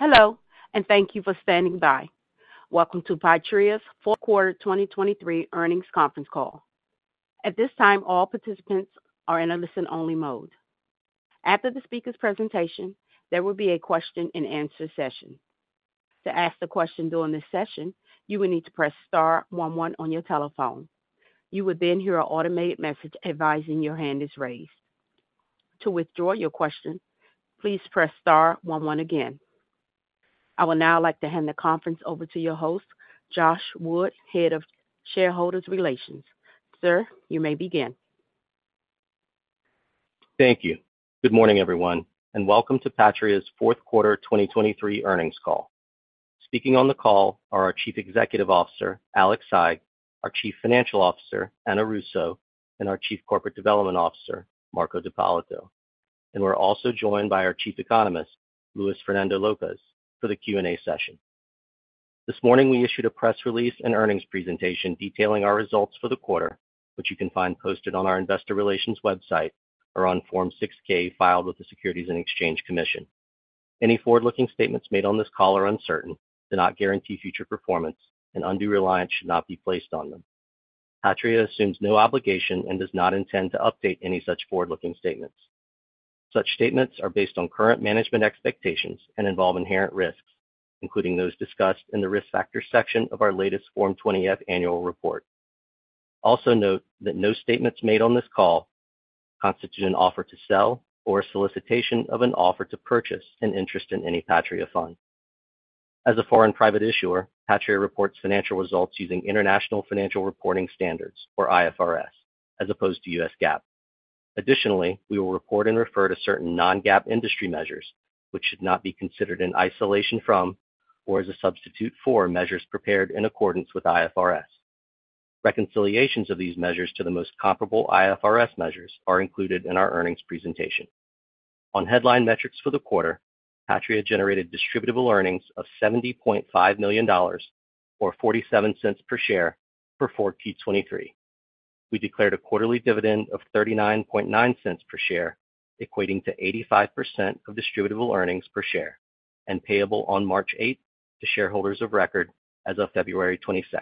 Hello, and thank you for standing by. Welcome to Patria's fourth quarter 2023 earnings conference call. At this time, all participants are in a listen-only mode. After the speaker's presentation, there will be a question-and-answer session. To ask the question during this session, you will need to press star 11 on your telephone. You will then hear an automated message advising your hand is raised. To withdraw your question, please press star 11 again. I would now like to hand the conference over to your host, Josh Wood, Head of Shareholder Relations. Sir, you may begin. Thank you. Good morning, everyone, and welcome to Patria's fourth quarter 2023 earnings call. Speaking on the call are our Chief Executive Officer, Alex Saigh, our Chief Financial Officer, Ana Russo, and our Chief Corporate Development Officer, Marco D'Ippolito. And we're also joined by our Chief Economist, Luis Fernando Lopes, for the Q&A session. This morning we issued a press release and earnings presentation detailing our results for the quarter, which you can find posted on our Investor Relations website or on Form 6-K filed with the Securities and Exchange Commission. Any forward-looking statements made on this call are uncertain, do not guarantee future performance, and undue reliance should not be placed on them. Patria assumes no obligation and does not intend to update any such forward-looking statements. Such statements are based on current management expectations and involve inherent risks, including those discussed in the risk factors section of our latest Form 20F annual report. Also note that no statements made on this call constitute an offer to sell or a solicitation of an offer to purchase an interest in any Patria fund. As a foreign private issuer, Patria reports financial results using International Financial Reporting Standards, or IFRS, as opposed to U.S. GAAP. Additionally, we will report and refer to certain non-GAAP industry measures, which should not be considered in isolation from or as a substitute for measures prepared in accordance with IFRS. Reconciliations of these measures to the most comparable IFRS measures are included in our earnings presentation. On headline metrics for the quarter, Patria generated distributable earnings of $70.5 million, or $0.47 per share, for 4Q23. We declared a quarterly dividend of $0.39 per share, equating to 85% of distributable earnings per share, and payable on March 8 to shareholders of record as of February 22.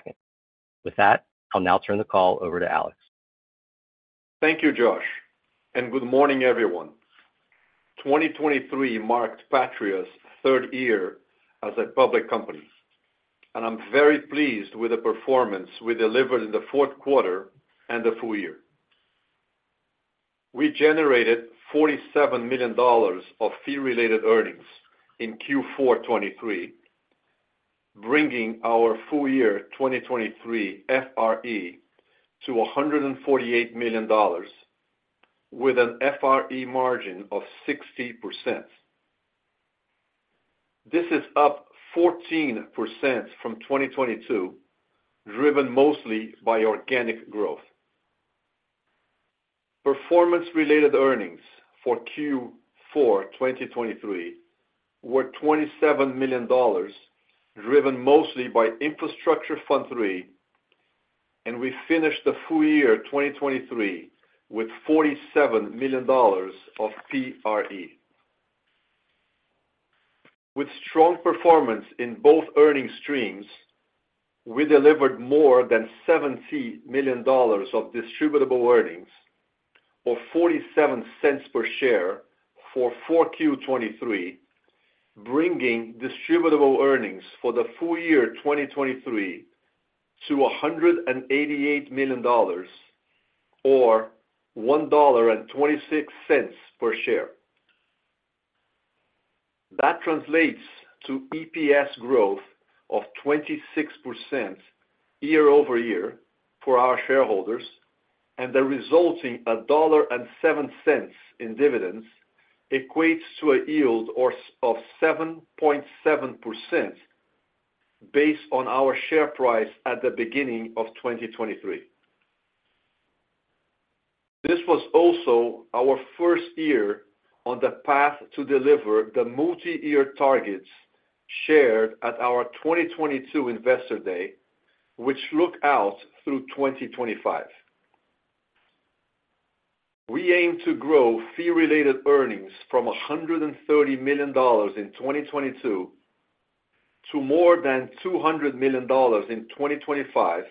With that, I'll now turn the call over to Alex. Thank you, Josh, and good morning, everyone. 2023 marked Patria's third year as a public company, and I'm very pleased with the performance we delivered in the fourth quarter and the full year. We generated $47 million of fee-related earnings in Q4 2023, bringing our full year 2023 FRE to $148 million, with an FRE margin of 60%. This is up 14% from 2022, driven mostly by organic growth. Performance-related earnings for Q4 2023 were $27 million, driven mostly by Infrastructure Fund 3, and we finished the full year 2023 with $47 million of PRE. With strong performance in both earnings streams, we delivered more than $70 million of distributable earnings, or $0.47 per share, for 4Q 2023, bringing distributable earnings for the full year 2023 to $188 million, or $1.26 per share. That translates to EPS growth of 26% year-over-year for our shareholders, and the resulting $1.07 in dividends equates to a yield of 7.7% based on our share price at the beginning of 2023. This was also our first year on the path to deliver the multi-year targets shared at our 2022 Investor Day, which look out through 2025. We aim to grow fee-related earnings from $130 million in 2022 to more than $200 million in 2025,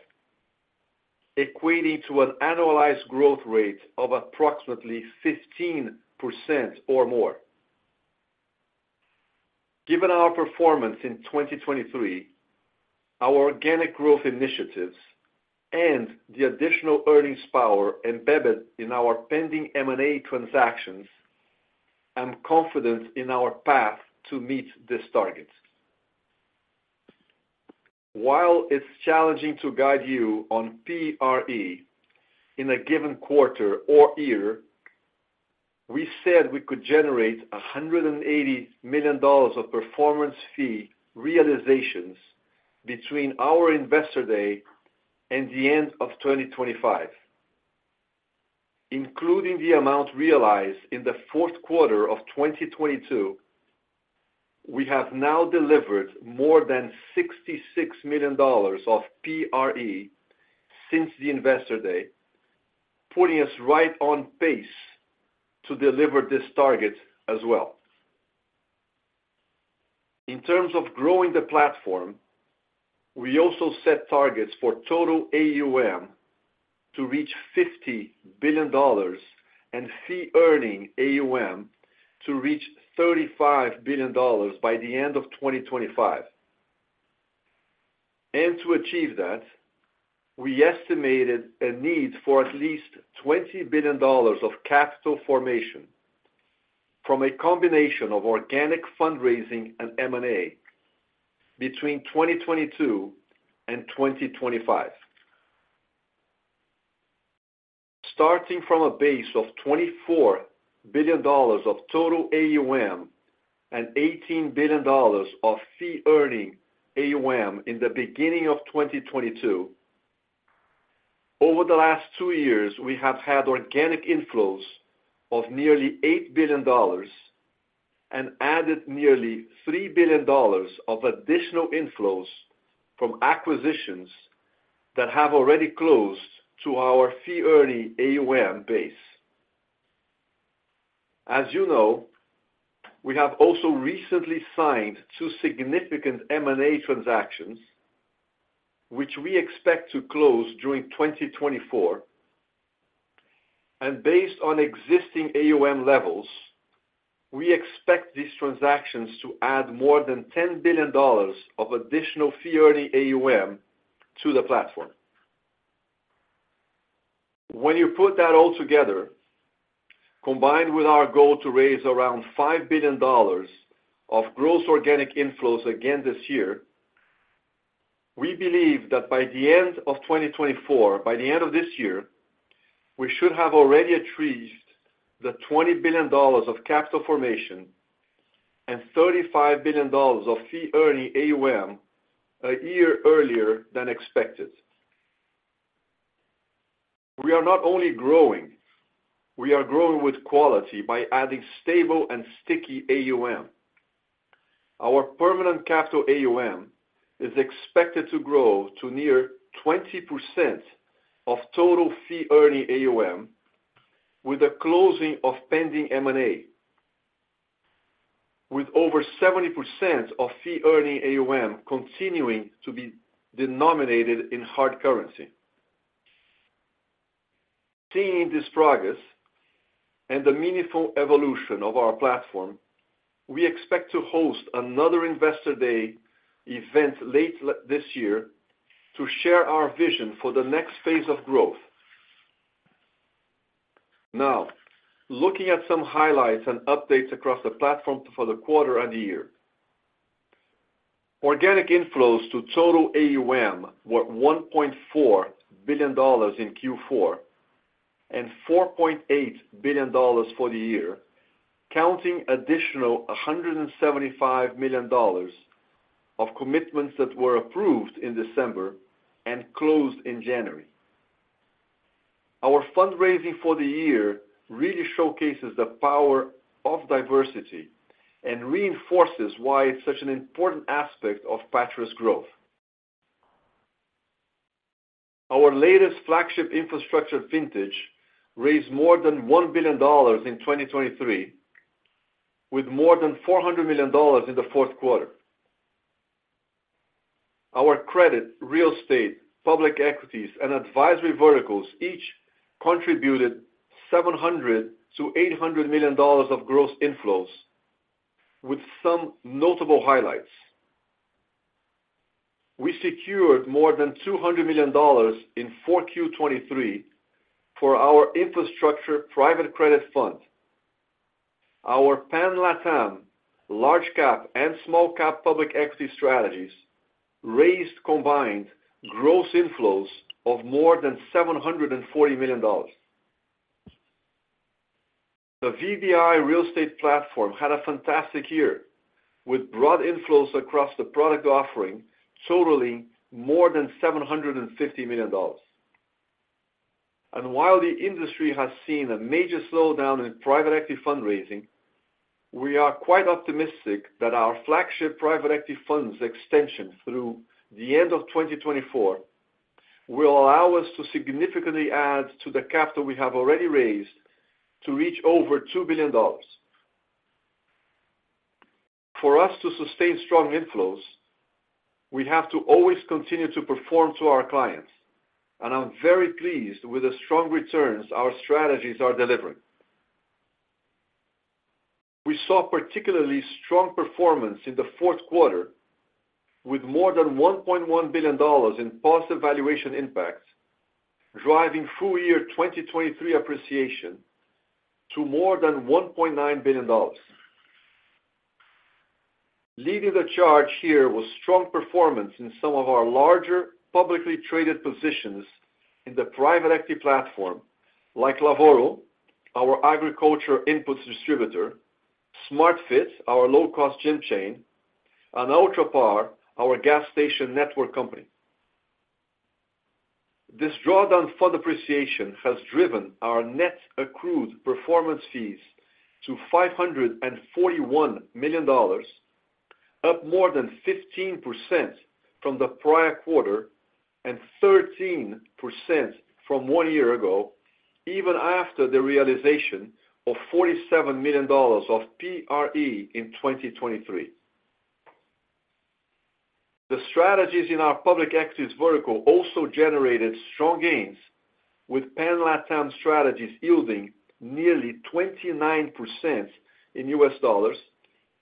equating to an annualized growth rate of approximately 15% or more. Given our performance in 2023, our organic growth initiatives, and the additional earnings power embedded in our pending M&A transactions, I'm confident in our path to meet this target. While it's challenging to guide you on PRE in a given quarter or year, we said we could generate $180 million of performance fee realizations between our Investor Day and the end of 2025. Including the amount realized in the fourth quarter of 2022, we have now delivered more than $66 million of PRE since the Investor Day, putting us right on pace to deliver this target as well. In terms of growing the platform, we also set targets for total AUM to reach $50 billion and fee earning AUM to reach $35 billion by the end of 2025. To achieve that, we estimated a need for at least $20 billion of capital formation from a combination of organic fundraising and M&A between 2022 and 2025, starting from a base of $24 billion of total AUM and $18 billion of fee earning AUM in the beginning of 2022. Over the last two years, we have had organic inflows of nearly $8 billion and added nearly $3 billion of additional inflows from acquisitions that have already closed to our fee earning AUM base. As you know, we have also recently signed two significant M&A transactions, which we expect to close during 2024, and based on existing AUM levels, we expect these transactions to add more than $10 billion of additional fee earning AUM to the platform. When you put that all together, combined with our goal to raise around $5 billion of gross organic inflows again this year, we believe that by the end of 2024, by the end of this year, we should have already achieved the $20 billion of capital formation and $35 billion of fee earning AUM a year earlier than expected. We are not only growing. We are growing with quality by adding stable and sticky AUM. Our permanent capital AUM is expected to grow to near 20% of total fee earning AUM with a closing of pending M&A, with over 70% of fee earning AUM continuing to be denominated in hard currency. Seeing this progress and the meaningful evolution of our platform, we expect to host another Investor Day event late this year to share our vision for the next phase of growth. Now, looking at some highlights and updates across the platform for the quarter and year, organic inflows to total AUM were $1.4 billion in Q4 and $4.8 billion for the year, counting additional $175 million of commitments that were approved in December and closed in January. Our fundraising for the year really showcases the power of diversity and reinforces why it's such an important aspect of Patria's growth. Our latest flagship infrastructure vintage raised more than $1 billion in 2023, with more than $400 million in the fourth quarter. Our credit, real estate, public equities, and advisory verticals each contributed $700-$800 million of gross inflows, with some notable highlights. We secured more than $200 million in 4Q23 for our infrastructure private credit fund. Our Pan-LatAm large-cap and small-cap public equity strategies raised combined gross inflows of more than $740 million. The VBI Real Estate platform had a fantastic year, with broad inflows across the product offering totaling more than $750 million. While the industry has seen a major slowdown in private equity fundraising, we are quite optimistic that our flagship private equity funds extension through the end of 2024 will allow us to significantly add to the capital we have already raised to reach over $2 billion. For us to sustain strong inflows, we have to always continue to perform to our clients, and I'm very pleased with the strong returns our strategies are delivering. We saw particularly strong performance in the fourth quarter, with more than $1.1 billion in positive valuation impact, driving full year 2023 appreciation to more than $1.9 billion. Leading the charge here was strong performance in some of our larger publicly traded positions in the private equity platform, like Lavoro, our agriculture inputs distributor, Smart Fit, our low-cost gym chain, and Ultrapar, our gas station network company. This drawdown fund appreciation has driven our net accrued performance fees to $541 million, up more than 15% from the prior quarter and 13% from one year ago, even after the realization of $47 million of PRE in 2023. The strategies in our public equities vertical also generated strong gains, with Pan-Latam strategies yielding nearly 29% in U.S. dollars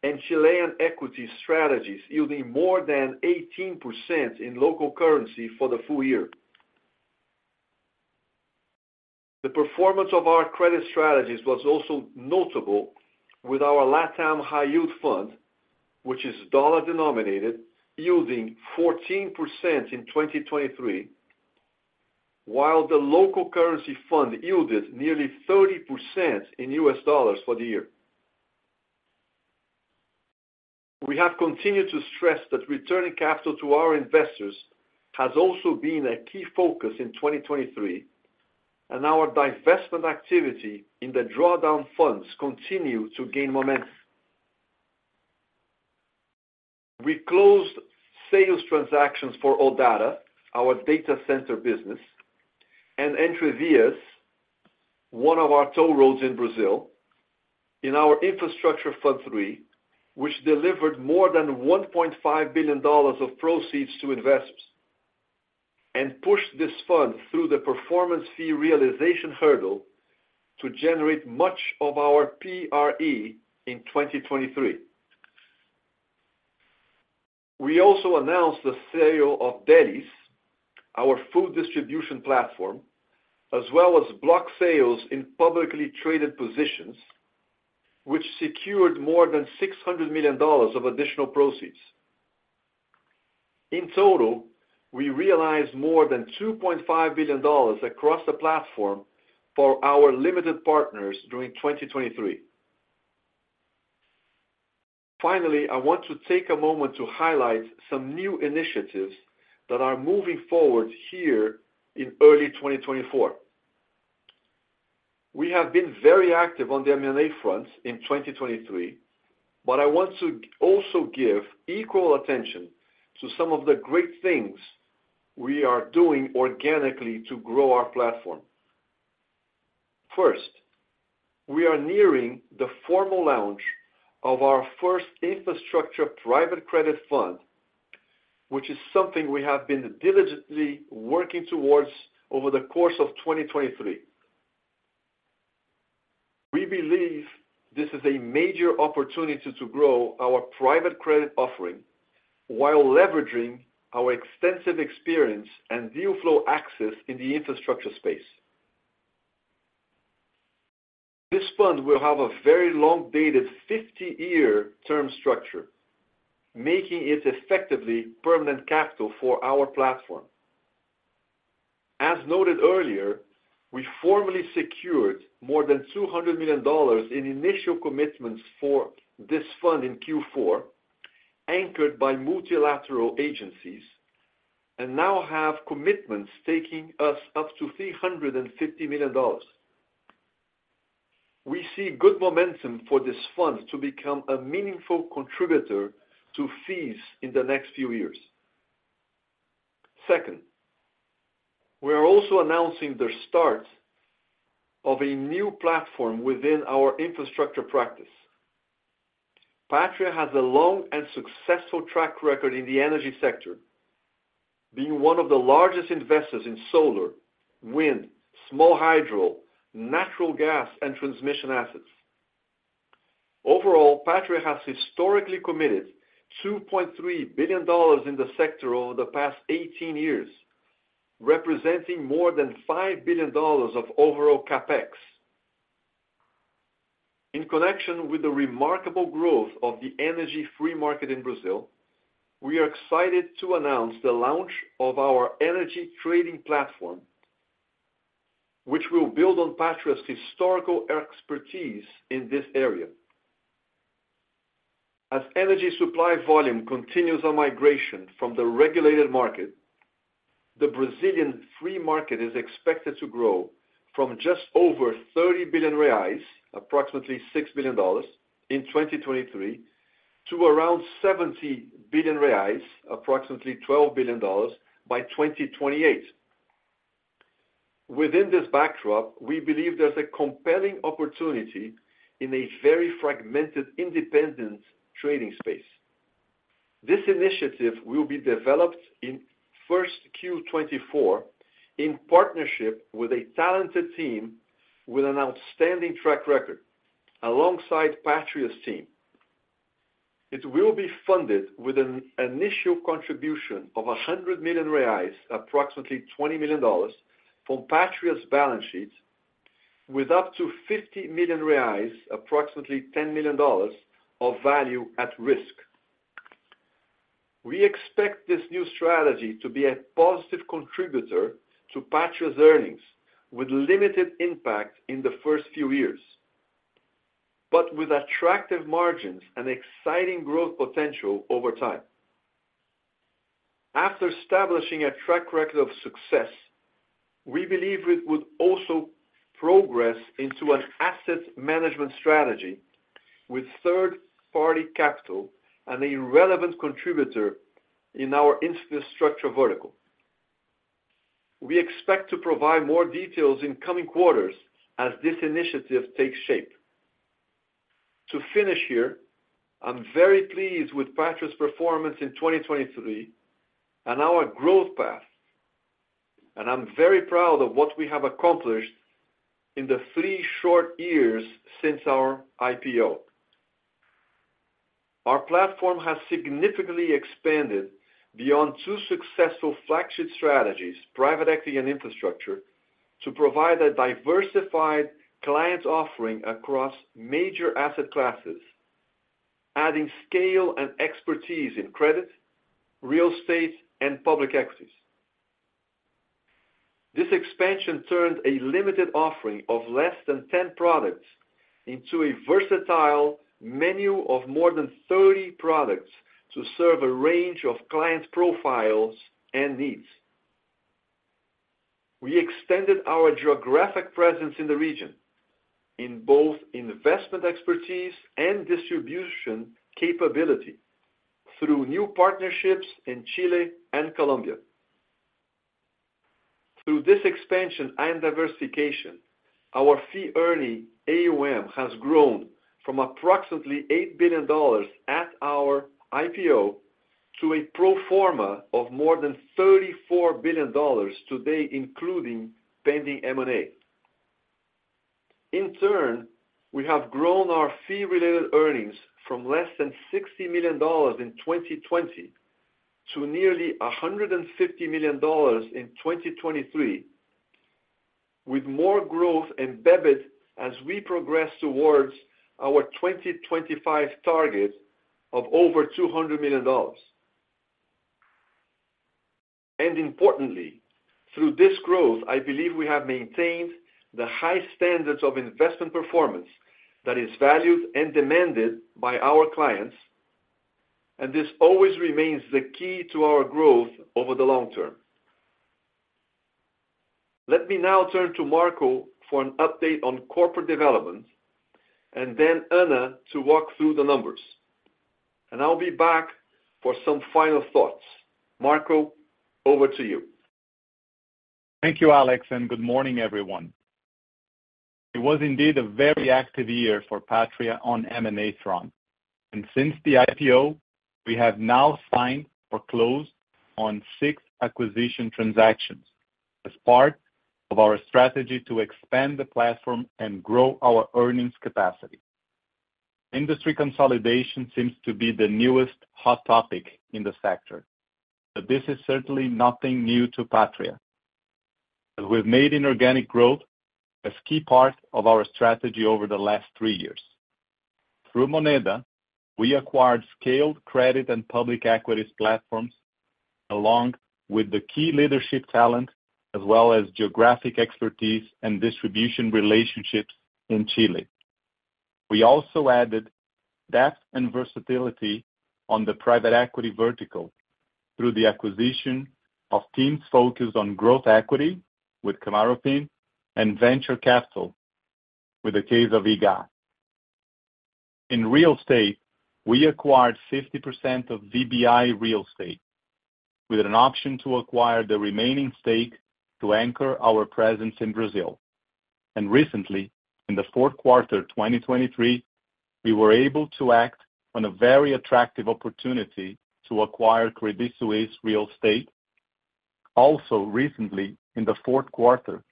and Chilean equity strategies yielding more than 18% in local currency for the full year. The performance of our credit strategies was also notable with our LatAm High Yield Fund, which is dollar denominated, yielding 14% in 2023, while the local currency fund yielded nearly 30% in U.S. dollars for the year. We have continued to stress that returning capital to our investors has also been a key focus in 2023, and our divestment activity in the drawdown funds continues to gain momentum. We closed sales transactions for O, our data center business, and Entrevias, one of our toll roads in Brazil, in our Infrastructure Fund 3, which delivered more than $1.5 billion of proceeds to investors and pushed this fund through the performance fee realization hurdle to generate much of our PRE in 2023. We also announced the sale of Delly's, our food distribution platform, as well as block sales in publicly traded positions, which secured more than $600 million of additional proceeds. In total, we realized more than $2.5 billion across the platform for our limited partners during 2023. Finally, I want to take a moment to highlight some new initiatives that are moving forward here in early 2024. We have been very active on the M&A front in 2023, but I want to also give equal attention to some of the great things we are doing organically to grow our platform. First, we are nearing the formal launch of our first infrastructure private credit fund, which is something we have been diligently working towards over the course of 2023. We believe this is a major opportunity to grow our private credit offering while leveraging our extensive experience and deal flow access in the infrastructure space. This fund will have a very long-dated 50-year term structure, making it effectively permanent capital for our platform. As noted earlier, we formally secured more than $200 million in initial commitments for this fund in Q4, anchored by multilateral agencies, and now have commitments taking us up to $350 million. We see good momentum for this fund to become a meaningful contributor to fees in the next few years. Second, we are also announcing the start of a new platform within our infrastructure practice. Patria has a long and successful track record in the energy sector, being one of the largest investors in solar, wind, small hydro, natural gas, and transmission assets. Overall, Patria has historically committed $2.3 billion in the sector over the past 18 years, representing more than $5 billion of overall CapEx. In connection with the remarkable growth of the energy free market in Brazil, we are excited to announce the launch of our energy trading platform, which will build on Patria's historical expertise in this area. As energy supply volume continues a migration from the regulated market, the Brazilian free market is expected to grow from just over 30 billion reais, approximately $6 billion, in 2023, to around 70 billion reais, approximately $12 billion, by 2028. Within this backdrop, we believe there's a compelling opportunity in a very fragmented independent trading space. This initiative will be developed in first Q 2024 in partnership with a talented team with an outstanding track record alongside Patria's team. It will be funded with an initial contribution of 100 million reais, approximately $20 million, from Patria's balance sheet, with up to 50 million reais, approximately $10 million, of value at risk. We expect this new strategy to be a positive contributor to Patria's earnings with limited impact in the first few years, but with attractive margins and exciting growth potential over time. After establishing a track record of success, we believe it would also progress into an asset management strategy with third-party capital and a relevant contributor in our infrastructure vertical. We expect to provide more details in coming quarters as this initiative takes shape. To finish here, I'm very pleased with Patria's performance in 2023 and our growth path, and I'm very proud of what we have accomplished in the three short years since our IPO. Our platform has significantly expanded beyond two successful flagship strategies, private equity and infrastructure, to provide a diversified client offering across major asset classes, adding scale and expertise in credit, real estate, and public equities. This expansion turned a limited offering of less than 10 products into a versatile menu of more than 30 products to serve a range of client profiles and needs. We extended our geographic presence in the region, in both investment expertise and distribution capability, through new partnerships in Chile and Colombia. Through this expansion and diversification, our fee earning AUM has grown from approximately $8 billion at our IPO to a pro forma of more than $34 billion today, including pending M&A. In turn, we have grown our fee-related earnings from less than $60 million in 2020 to nearly $150 million in 2023, with more growth embedded as we progress towards our 2025 target of over $200 million. Importantly, through this growth, I believe we have maintained the high standards of investment performance that is valued and demanded by our clients, and this always remains the key to our growth over the long term. Let me now turn to Marco for an update on corporate development, and then Ana to walk through the numbers. And I'll be back for some final thoughts. Marco, over to you. Thank you, Alex, and good morning, everyone. It was indeed a very active year for Patria on M&A front, and since the IPO, we have now signed or closed on six acquisition transactions as part of our strategy to expand the platform and grow our earnings capacity. Industry consolidation seems to be the newest hot topic in the sector, but this is certainly nothing new to Patria, as we've made inorganic growth a key part of our strategy over the last three years. Through Moneda, we acquired scaled credit and public equities platforms along with the key leadership talent as well as geographic expertise and distribution relationships in Chile. We also added depth and versatility on the private equity vertical through the acquisition of teams focused on growth equity with Kamaroopin and venture capital with the case of IGA. In real estate, we acquired 50% of VBI Real Estate, with an option to acquire the remaining stake to anchor our presence in Brazil. And recently, in the fourth quarter 2023, we were able to act on a very attractive opportunity to acquire Credit Suisse real estate. Also recently, in the fourth quarter,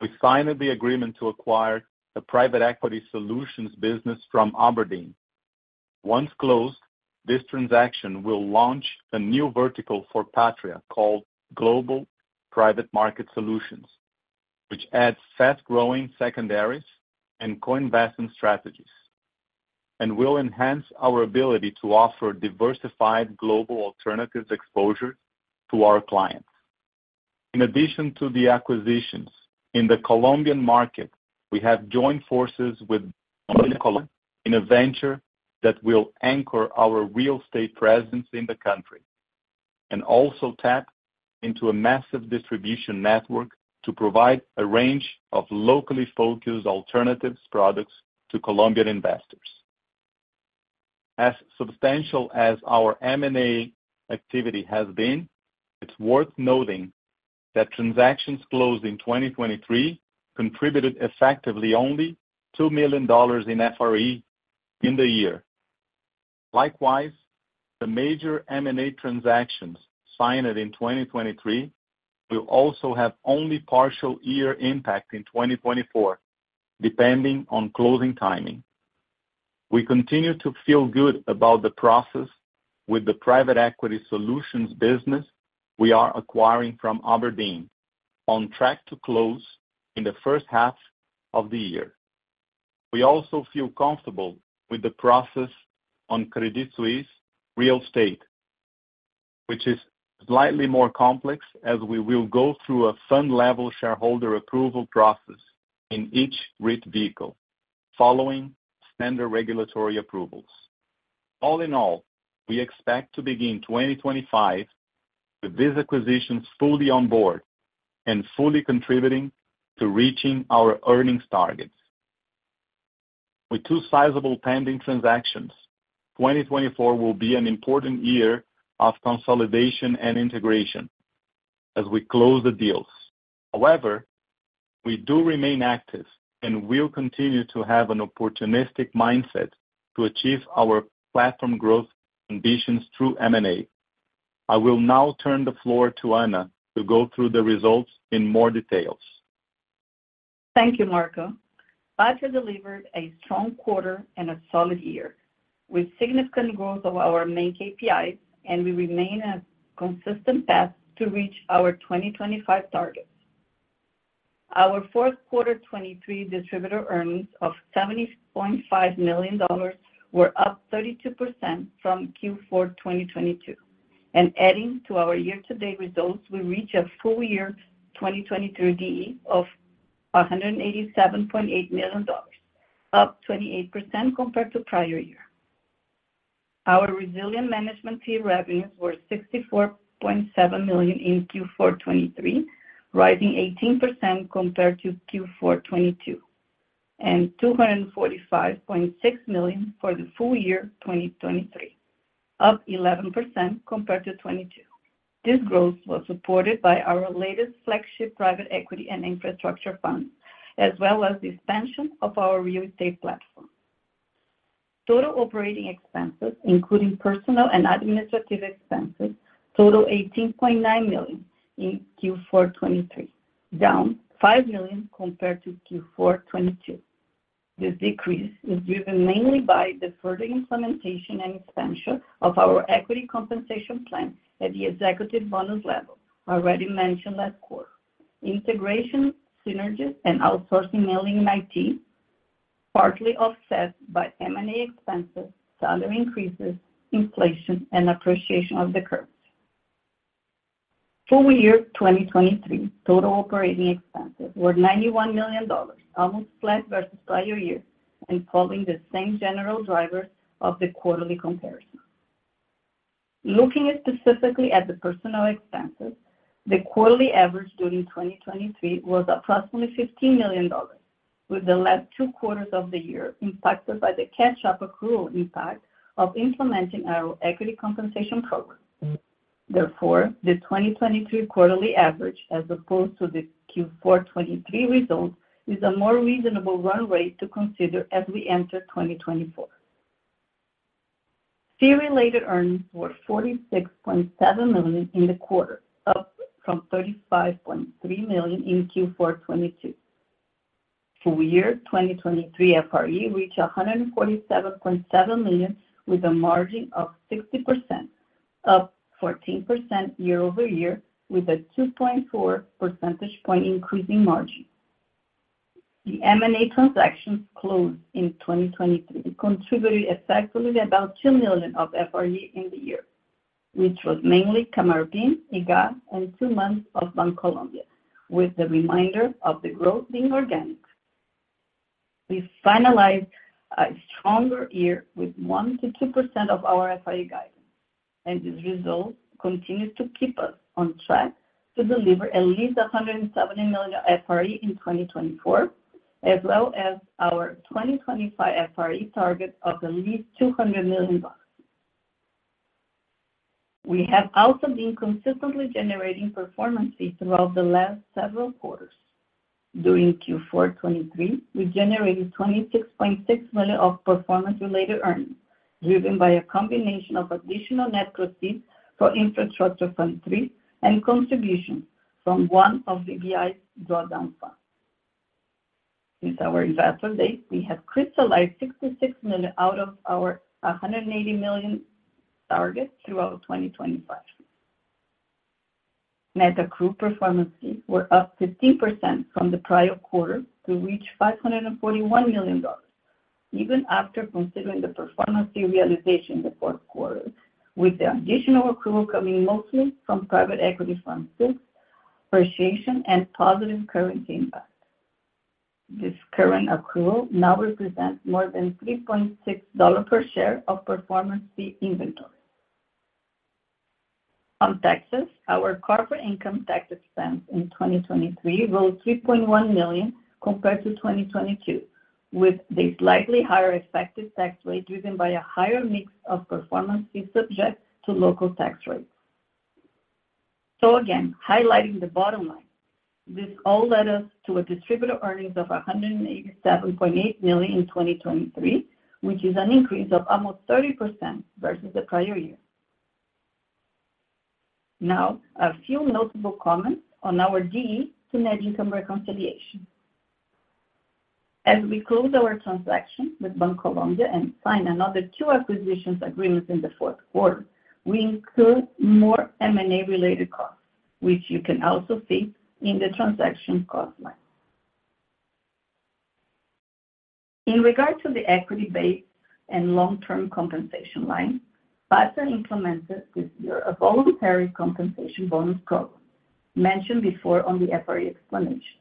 we signed the agreement to acquire the private equity solutions business from abrdn. Once closed, this transaction will launch a new vertical for Patria called Global Private Markets Solutions, which adds fast-growing secondaries and co-investment strategies, and will enhance our ability to offer diversified global alternatives exposure to our clients. In addition to the acquisitions, in the Colombian market, we have joined forces with Bancolombia in a venture that will anchor our real estate presence in the country and also tap into a massive distribution network to provide a range of locally focused alternatives products to Colombian investors. As substantial as our M&A activity has been, it's worth noting that transactions closed in 2023 contributed effectively only $2 million in FRE in the year. Likewise, the major M&A transactions signed in 2023 will also have only partial year impact in 2024, depending on closing timing. We continue to feel good about the process with the private equity solutions business we are acquiring from abrdn on track to close in the first half of the year. We also feel comfortable with the process on Credit Suisse's real estate, which is slightly more complex as we will go through a fund-level shareholder approval process in each REIT vehicle, following standard regulatory approvals. All in all, we expect to begin 2025 with these acquisitions fully on board and fully contributing to reaching our earnings targets. With two sizable pending transactions, 2024 will be an important year of consolidation and integration as we close the deals. However, we do remain active and will continue to have an opportunistic mindset to achieve our platform growth ambitions through M&A. I will now turn the floor to Ana to go through the results in more details. Thank you, Marco. Patria delivered a strong quarter and a solid year. We've significantly grown through our main KPIs, and we remain on a consistent path to reach our 2025 targets. Our fourth quarter 2023 distributable earnings of $70.5 million were up 32% from Q4 2022. Adding to our year-to-date results, we reach a full-year 2023 DE of $187.8 million, up 28% compared to prior year. Our resilient management fee revenues were $64.7 million in Q4 2023, rising 18% compared to Q4 2022, and $245.6 million for the full year 2023, up 11% compared to 2022. This growth was supported by our latest flagship private equity and infrastructure fund, as well as the expansion of our real estate platform. Total operating expenses, including personal and administrative expenses, totaled $18.9 million in Q4 2023, down $5 million compared to Q4 2022. This decrease is driven mainly by the further implementation and expansion of our equity compensation plan at the executive bonus level, already mentioned last quarter, integration, synergies, and outsourcing mailing in IT, partly offset by M&A expenses, salary increases, inflation, and appreciation of the currency. Full year 2023 total operating expenses were $91 million, almost flat versus prior year, and following the same general drivers of the quarterly comparison. Looking specifically at the personal expenses, the quarterly average during 2023 was approximately $15 million, with the last two quarters of the year impacted by the catch-up accrual impact of implementing our equity compensation program. Therefore, the 2023 quarterly average, as opposed to the Q4 2023 results, is a more reasonable run rate to consider as we enter 2024. Fee-related earnings were $46.7 million in the quarter, up from $35.3 million in Q4 2022. Full year 2023 FRE reached $147.7 million, with a margin of 60%, up 14% year-over-year, with a 2.4 percentage point increasing margin. The M&A transactions closed in 2023 contributed effectively about $2 million of FRE in the year, which was mainly Kamaroopin, Igah, and two months of Bancolombia, with the remainder of the growth being organic. We finalized a stronger year with 1%-2% of our FRE guidance, and these results continue to keep us on track to deliver at least $170 million FRE in 2024, as well as our 2025 FRE target of at least $200 million. We have also been consistently generating performance fees throughout the last several quarters. During Q4 2023, we generated $26.6 million of performance-related earnings, driven by a combination of additional net proceeds from Infrastructure Fund III and contributions from one of VBI's drawdown funds. Since our Investor Day, we have crystallized $66 million out of our $180 million target throughout 2025. Net accrued performance fees were up 15% from the prior quarter to reach $541 million, even after considering the performance fee realization in the fourth quarter, with the additional accrual coming mostly from private equity funds' appreciation and positive currency impact. This current accrual now represents more than $3.6 per share of performance fee inventory. On taxes, our corporate income tax expense in 2023 rose $3.1 million compared to 2022, with a slightly higher effective tax rate driven by a higher mix of performance fees subject to local tax rates. So again, highlighting the bottom line, this all led us to distributable earnings of $187.8 million in 2023, which is an increase of almost 30% versus the prior year. Now, a few notable comments on our DE to net income reconciliation. As we close our transaction with Bancolombia and sign another two acquisitions agreements in the fourth quarter, we incur more M&A-related costs, which you can also see in the transaction cost line. In regard to the equity-based and long-term compensation line, Patria implemented this year a voluntary compensation bonus program mentioned before on the FRE explanation,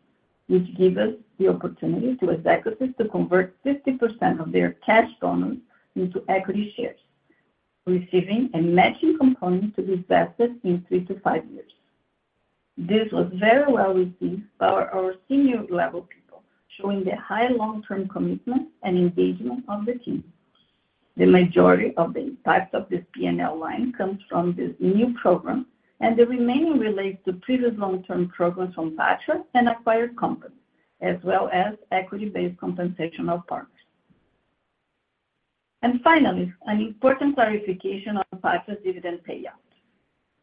which gives us the opportunity to executives to convert 50% of their cash bonus into equity shares, receiving a matching component to be vested in 3-5 years. This was very well received by our senior-level people, showing the high long-term commitment and engagement of the team. The majority of the impact of this P&L line comes from this new program, and the remaining relates to previous long-term programs from Patria and Acquired Companies, as well as equity-based compensational partners. Finally, an important clarification on Patria's dividend payout.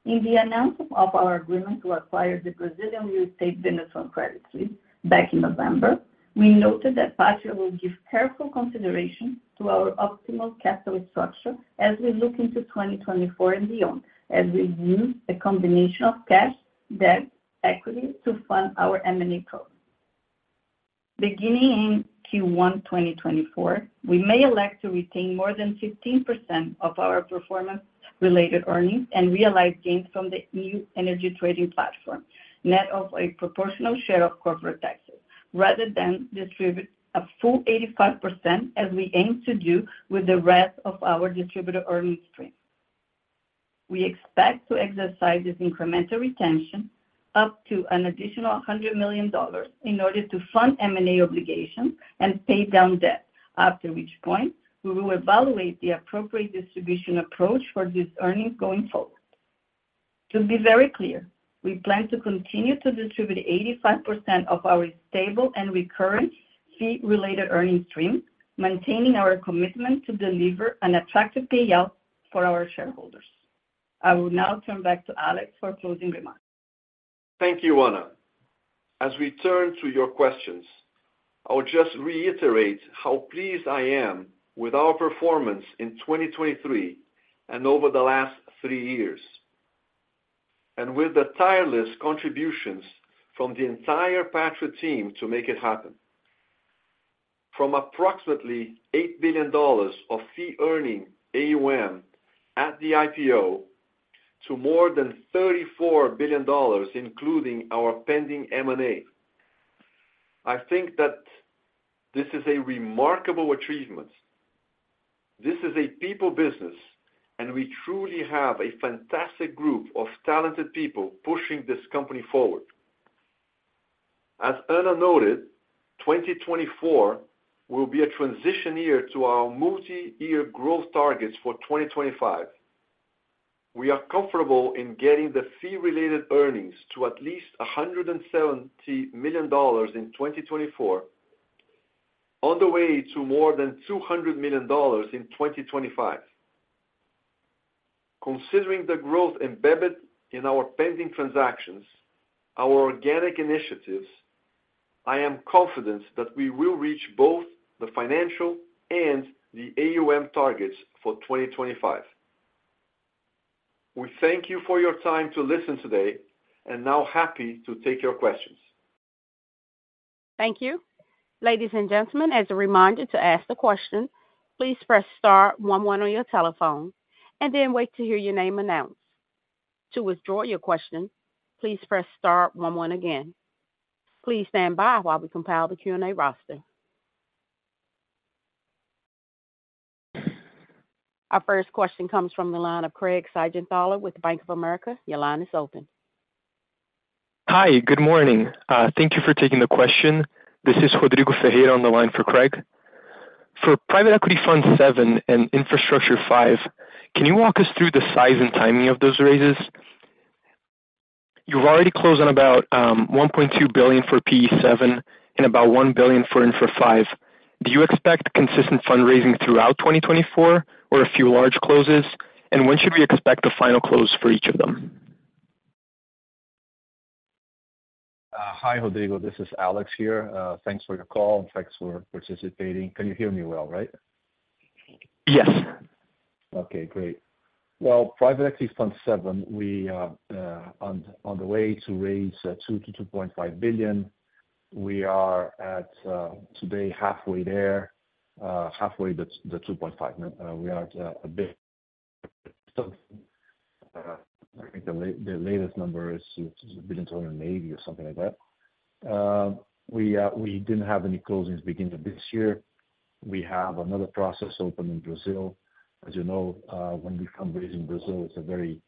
In the announcement of our agreement to acquire the Brazilian real estate business from Credit Suisse back in November, we noted that Patria will give careful consideration to our optimal capital structure as we look into 2024 and beyond, as we use a combination of cash, debt, equity to fund our M&A program. Beginning in Q1 2024, we may elect to retain more than 15% of our performance-related earnings and realize gains from the new energy trading platform, net of a proportional share of corporate taxes, rather than distribute a full 85% as we aim to do with the rest of our distributable earnings stream. We expect to exercise this incremental retention up to an additional $100 million in order to fund M&A obligations and pay down debt, after which point we will evaluate the appropriate distribution approach for these earnings going forward. To be very clear, we plan to continue to distribute 85% of our stable and recurrent fee-related earnings stream, maintaining our commitment to deliver an attractive payout for our shareholders. I will now turn back to Alex for closing remarks. Thank you, Ana. As we turn to your questions, I will just reiterate how pleased I am with our performance in 2023 and over the last three years, and with the tireless contributions from the entire Patria team to make it happen. From approximately $8 billion of fee earning AUM at the IPO to more than $34 billion, including our pending M&A, I think that this is a remarkable achievement. This is a people business, and we truly have a fantastic group of talented people pushing this company forward. As Ana noted, 2024 will be a transition year to our multi-year growth targets for 2025. We are comfortable in getting the fee-related earnings to at least $170 million in 2024, on the way to more than $200 million in 2025. Considering the growth embedded in our pending transactions, our organic initiatives, I am confident that we will reach both the financial and the AUM targets for 2025. We thank you for your time to listen today, and now happy to take your questions. Thank you. Ladies and gentlemen, as a reminder to ask the question, please press star 11 on your telephone and then wait to hear your name announced. To withdraw your question, please press star 11 again. Please stand by while we compile the Q&A roster. Our first question comes from the line of Craig Siegenthaler with Bank of America. Your line is open. Hi. Good morning. Thank you for taking the question. This is Rodrigo Ferreira on the line for Craig. For private equity funds 7 and infrastructure 5, can you walk us through the size and timing of those raises? You've already closed on about $1.2 billion for PE7 and about $1 billion for infra 5. Do you expect consistent fundraising throughout 2024 or a few large closes? And when should we expect the final close for each of them? Hi, Rodrigo. This is Alex here. Thanks for your call, and thanks for participating. Can you hear me well, right? Yes. Okay. Great. Well, private equity funds 7, we are on the way to raise $2 billion-$2.5 billion. We are today halfway there, halfway to the $2.5 billion. We are a bit I think the latest number is $1,280 million or something like that. We didn't have any closings beginning of this year. We have another process open in Brazil. As you know, when we fundraise in Brazil, it's a very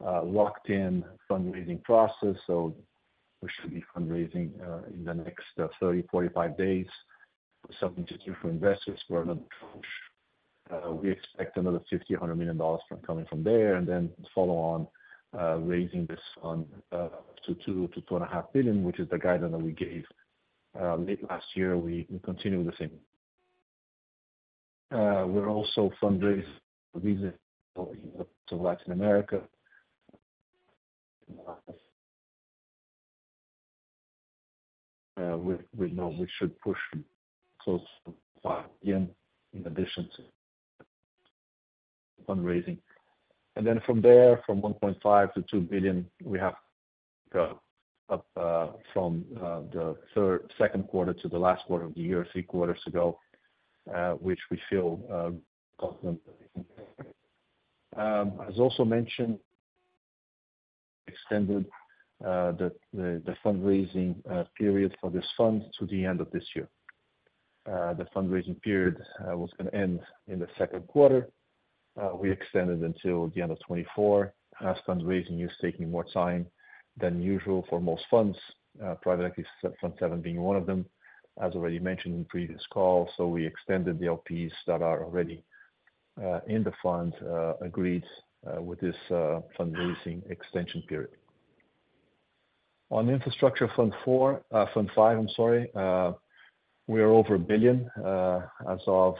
locked-in fundraising process, so we should be fundraising in the next 30, 45 days with something to do for investors for another close. We expect another $50-$100 million coming from there and then follow on raising this fund up to $2-$2.5 billion, which is the guideline that we gave late last year. We continue with the same. We're also fundraising for visas to Latin America. We should push close to $5 billion again in addition to fundraising. And then from there, from $1.5-$2 billion, we have gone up from the second quarter to the last quarter of the year, three quarters ago, which we feel confident that we can cover it. As also mentioned, we extended the fundraising period for this fund to the end of this year. The fundraising period was going to end in the second quarter. We extended until the end of 2024. Fundraising is taking more time than usual for most funds, Private Equity Fund 7 being one of them, as already mentioned in previous calls. So we extended the LPs that are already in the fund agreed with this fundraising extension period. On Infrastructure Fund 4, Infrastructure Fund 5, I'm sorry, we are over $1 billion. As of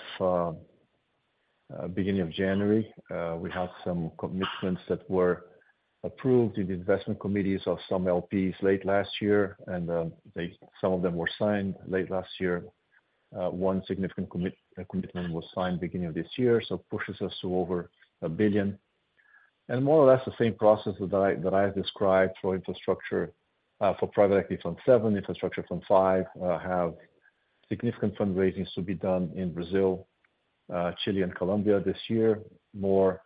beginning of January, we had some commitments that were approved in the investment committees of some LPs late last year, and some of them were signed late last year. One significant commitment was signed beginning of this year, so it pushes us to over $1 billion. More or less the same process that I've described for infrastructure for Private Equity Fund 7, Infrastructure Fund 5, have significant fundraisings to be done in Brazil, Chile, and Colombia this year, more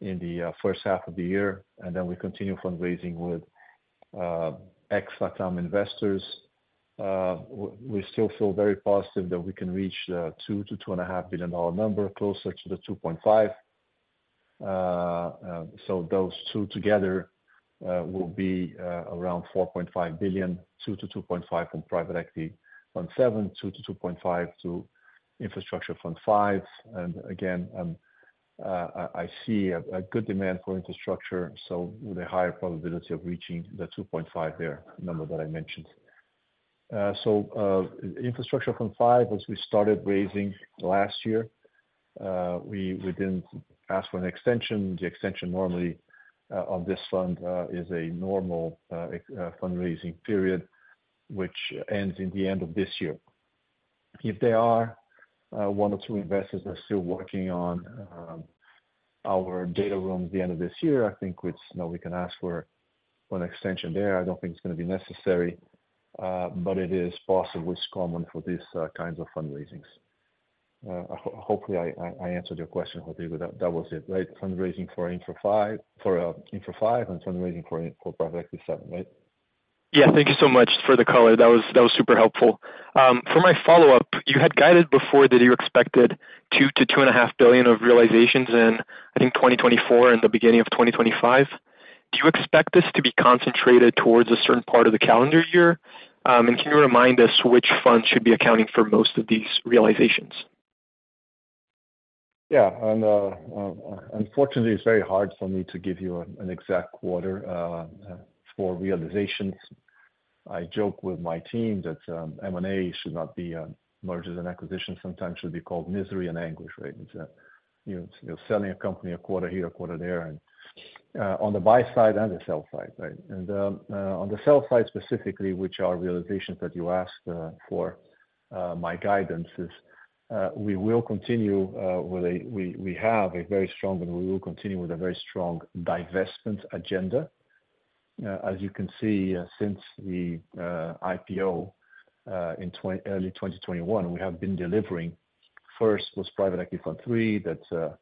in the first half of the year. And then we continue fundraising with ex-LATAM investors. We still feel very positive that we can reach the $2 billion-$2.5 billion number, closer to the $2.5 billion. So those two together will be around $4.5 billion, $2 billion-$2.5 billion from Private Equity Fund 7, $2 billion-$2.5 billion to Infrastructure Fund 5. And again, I see a good demand for infrastructure, so with a higher probability of reaching the $2.5 billion there, number that I mentioned. So Infrastructure Fund 5, as we started raising last year, we didn't ask for an extension. The extension normally on this fund is a normal fundraising period, which ends in the end of this year. If there are one or two investors that are still working on our data room at the end of this year, I think we can ask for an extension there. I don't think it's going to be necessary, but it is possibly common for these kinds of fundraisings. Hopefully, I answered your question, Rodrigo. That was it, right? Fundraising for Infra 5 and fundraising for Private Equity 7, right? Yeah. Thank you so much for the color. That was super helpful. For my follow-up, you had guided before that you expected $2 billion-$2.5 billion of realizations in, I think, 2024 and the beginning of 2025. Do you expect this to be concentrated towards a certain part of the calendar year? And can you remind us which funds should be accounting for most of these realizations? Yeah. Unfortunately, it's very hard for me to give you an exact quarter for realizations. I joke with my team that M&A should not be mergers and acquisitions. Sometimes it should be called misery and anguish, right? You're selling a company a quarter here, a quarter there, on the buy side and the sell side, right? And on the sell side specifically, which are realizations that you asked for my guidance, is we will continue with a we have a very strong and we will continue with a very strong divestment agenda. As you can see, since the IPO in early 2021, we have been delivering. First was Private Equity Fund 3 that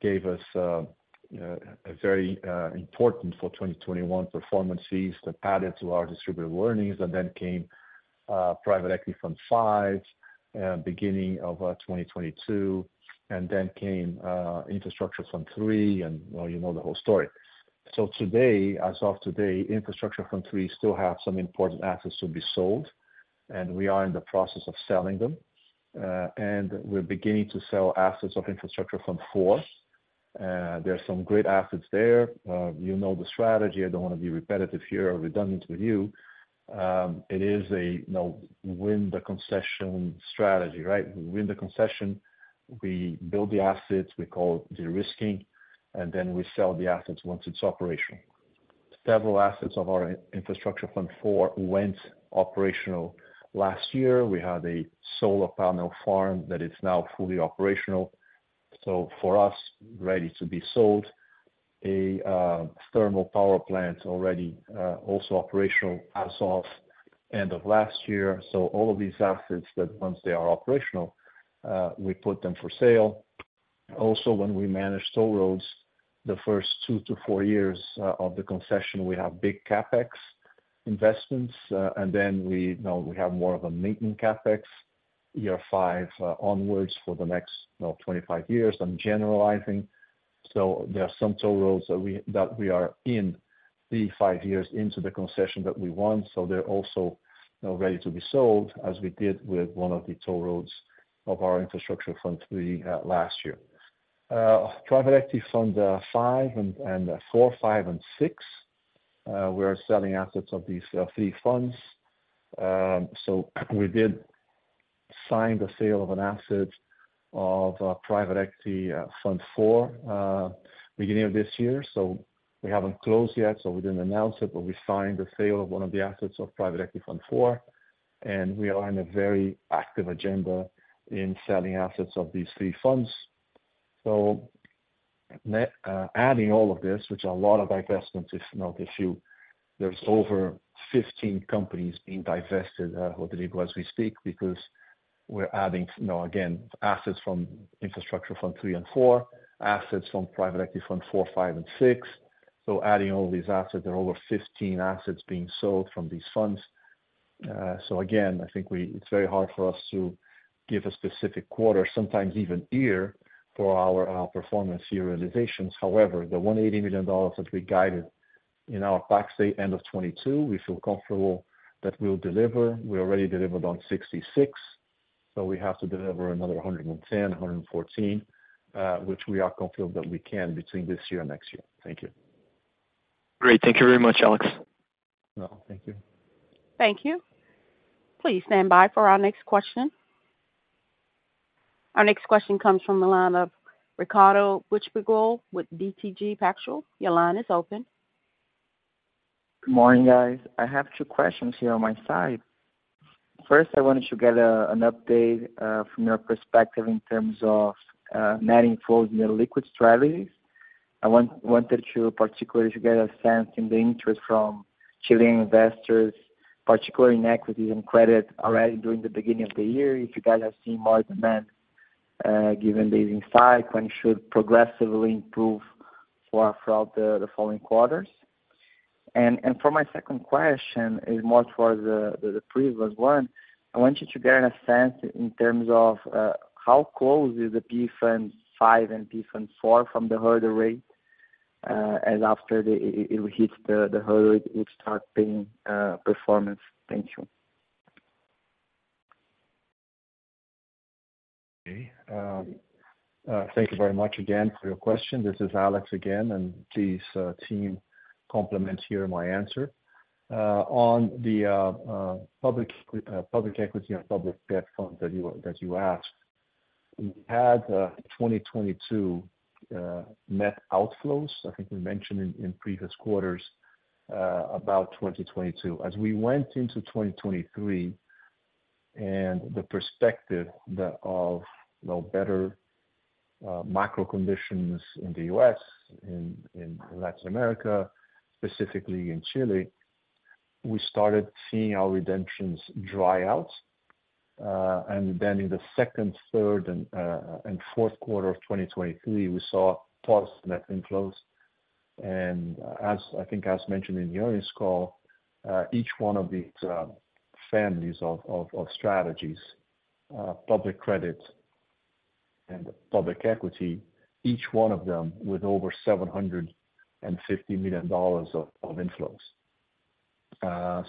gave us a very important for 2021 performance fees that padded to our distributable earnings. And then came Private Equity Fund 5 beginning of 2022, and then came Infrastructure Fund 3, and well, you know the whole story. As of today, Infrastructure Fund 3 still has some important assets to be sold, and we are in the process of selling them. We're beginning to sell assets of Infrastructure Fund 4. There are some great assets there. You know the strategy. I don't want to be repetitive here or redundant with you. It is a win-the-concession strategy, right? Win-the-concession. We build the assets. We call it derisking. Then we sell the assets once it's operational. Several assets of our Infrastructure Fund 4 went operational last year. We had a solar panel farm that is now fully operational. So for us, ready to be sold. A thermal power plant already also operational as of end of last year. So all of these assets that once they are operational, we put them for sale. Also, when we manage toll roads, the first 2-4 years of the concession, we have big CapEx investments. Then we have more of a maintenance CapEx year 5 onwards for the next 25 years. I'm generalizing. So there are some toll roads that we are in the 5 years into the concession that we want. So they're also ready to be sold, as we did with one of the toll roads of our Infrastructure Fund 3 last year. Private Equity Fund 5 and 4, 5, and 6, we are selling assets of these three funds. So we did sign the sale of an asset of Private Equity Fund 4 beginning of this year. So we haven't closed yet, so we didn't announce it, but we signed the sale of one of the assets of Private Equity Fund 4. We are in a very active agenda in selling assets of these three funds. So adding all of this, which are a lot of divestments, you know, there's over 15 companies being divested, Rodrigo, as we speak, because we're adding, again, assets from Infrastructure Fund 3 and 4, assets from Private Equity Fund 4, 5, and 6. So adding all these assets, there are over 15 assets being sold from these funds. So again, I think it's very hard for us to give a specific quarter, sometimes even year, for our performance year realizations. However, the $180 million that we guided in our PAX Day end of 2022, we feel comfortable that we'll deliver. We already delivered on $66 million. So we have to deliver another $110 million-$114 million, which we are confident that we can between this year and next year. Thank you. Great. Thank you very much, Alex. Thank you. Thank you. Please stand by for our next question. Our next question comes from the line of Ricardo Buchpiguel with BTG Pactual. Your line is open. Good morning, guys. I have two questions here on my side. First, I wanted to get an update from your perspective in terms of net inflows and liquid strategies. I wanted to particularly get a sense in the interest from Chilean investors, particularly in equities and credit, already during the beginning of the year, if you guys are seeing more demand given these in cycle and should progressively improve throughout the following quarters. And for my second question, it's more towards the previous one. I wanted to get a sense in terms of how close is the PE fund 5 and PE fund 4 from the hurdle rate as after it hits the hurdle, it would start paying performance. Thank you`. Okay. Thank you very much again for your question. This is Alex again, and please, team, complement here my answer. On the public equity and public debt funds that you asked, we had 2022 net outflows. I think we mentioned in previous quarters about 2022. As we went into 2023 and the perspective of better macro conditions in the U.S., in Latin America, specifically in Chile, we started seeing our redemptions dry out. And then in the second, third, and fourth quarter of 2023, we saw positive net inflows. And I think as mentioned in the earnings call, each one of these families of strategies, public credit and public equity, each one of them with over $750 million of inflows.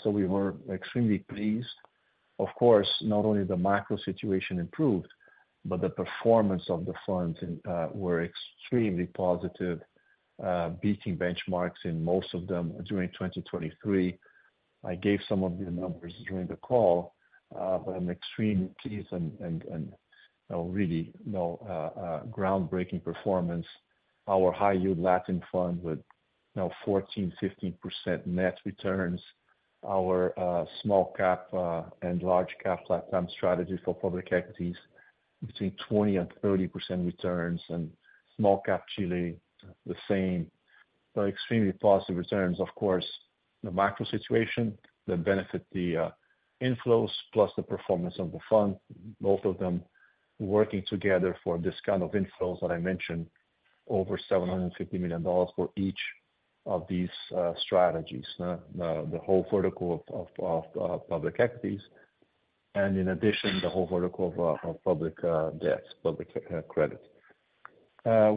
So we were extremely pleased. Of course, not only the macro situation improved, but the performance of the funds were extremely positive, beating benchmarks in most of them during 2023. I gave some of the numbers during the call, but I'm extremely pleased and really groundbreaking performance. Our high-yield Latin fund with 14%-15% net returns. Our small-cap and large-cap LATAM strategy for public equities, between 20%-30% returns. And small-cap Chile, the same. So extremely positive returns. Of course, the macro situation that benefit the inflows, plus the performance of the fund, both of them working together for this kind of inflows that I mentioned, over $750 million for each of these strategies, the whole vertical of public equities. And in addition, the whole vertical of public debts, public credit.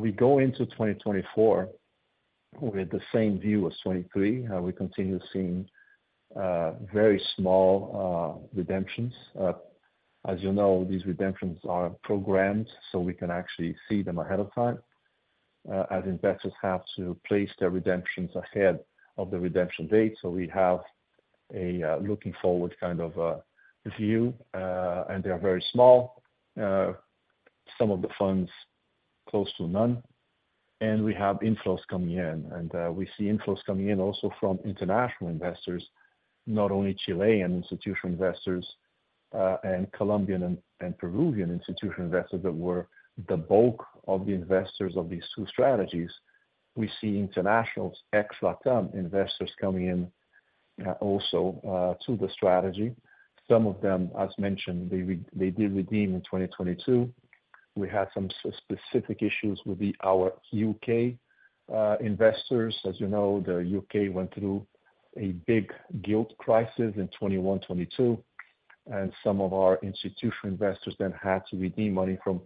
We go into 2024 with the same view as 2023. We continue seeing very small redemptions. As you know, these redemptions are programmed, so we can actually see them ahead of time, as investors have to place their redemptions ahead of the redemption date. So we have a looking-forward kind of view, and they are very small, some of the funds close to none. And we have inflows coming in. And we see inflows coming in also from international investors, not only Chilean institutional investors and Colombian and Peruvian institutional investors that were the bulk of the investors of these two strategies. We see internationals, ex-LATAM investors coming in also to the strategy. Some of them, as mentioned, they did redeem in 2022. We had some specific issues with our U.K. investors. As you know, the U.K. went through a big gilt crisis in 2021, 2022. And some of our institutional investors then had to redeem money from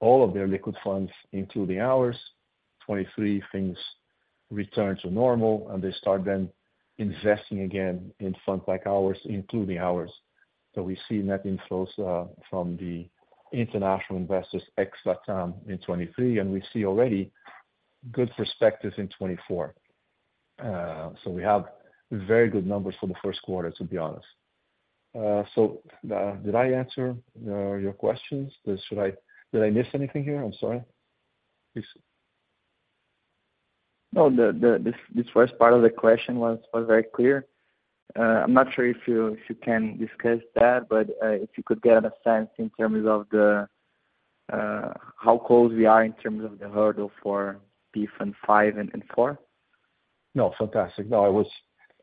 all of their liquid funds, including ours. 2023, things returned to normal, and they started then investing again in funds like ours, including ours. So we see net inflows from the international investors, ex-LATAM, in 2023, and we see already good perspectives in 2024. So we have very good numbers for the first quarter, to be honest. So did I answer your questions? Did I miss anything here? I'm sorry. Please. No, this first part of the question was very clear. I'm not sure if you can discuss that, but if you could get a sense in terms of how close we are in terms of the hurdle for PE Fund 5 and 4. No, fantastic. No,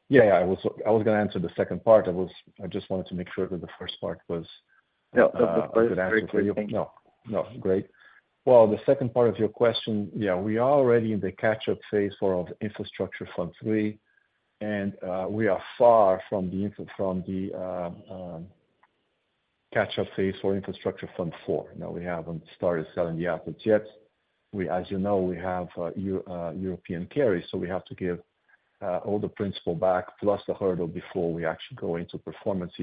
yeah, yeah. I was going to answer the second part. I just wanted to make sure that the first part was a good answer for you. No, no, great. Well, the second part of your question, yeah, we are already in the catch-up phase for Infrastructure Fund 3, and we are far from the catch-up phase for Infrastructure Fund 4. No, we haven't started selling the assets yet. As you know, we have European carries, so we have to give all the principal back, plus the hurdle, before we actually go into performance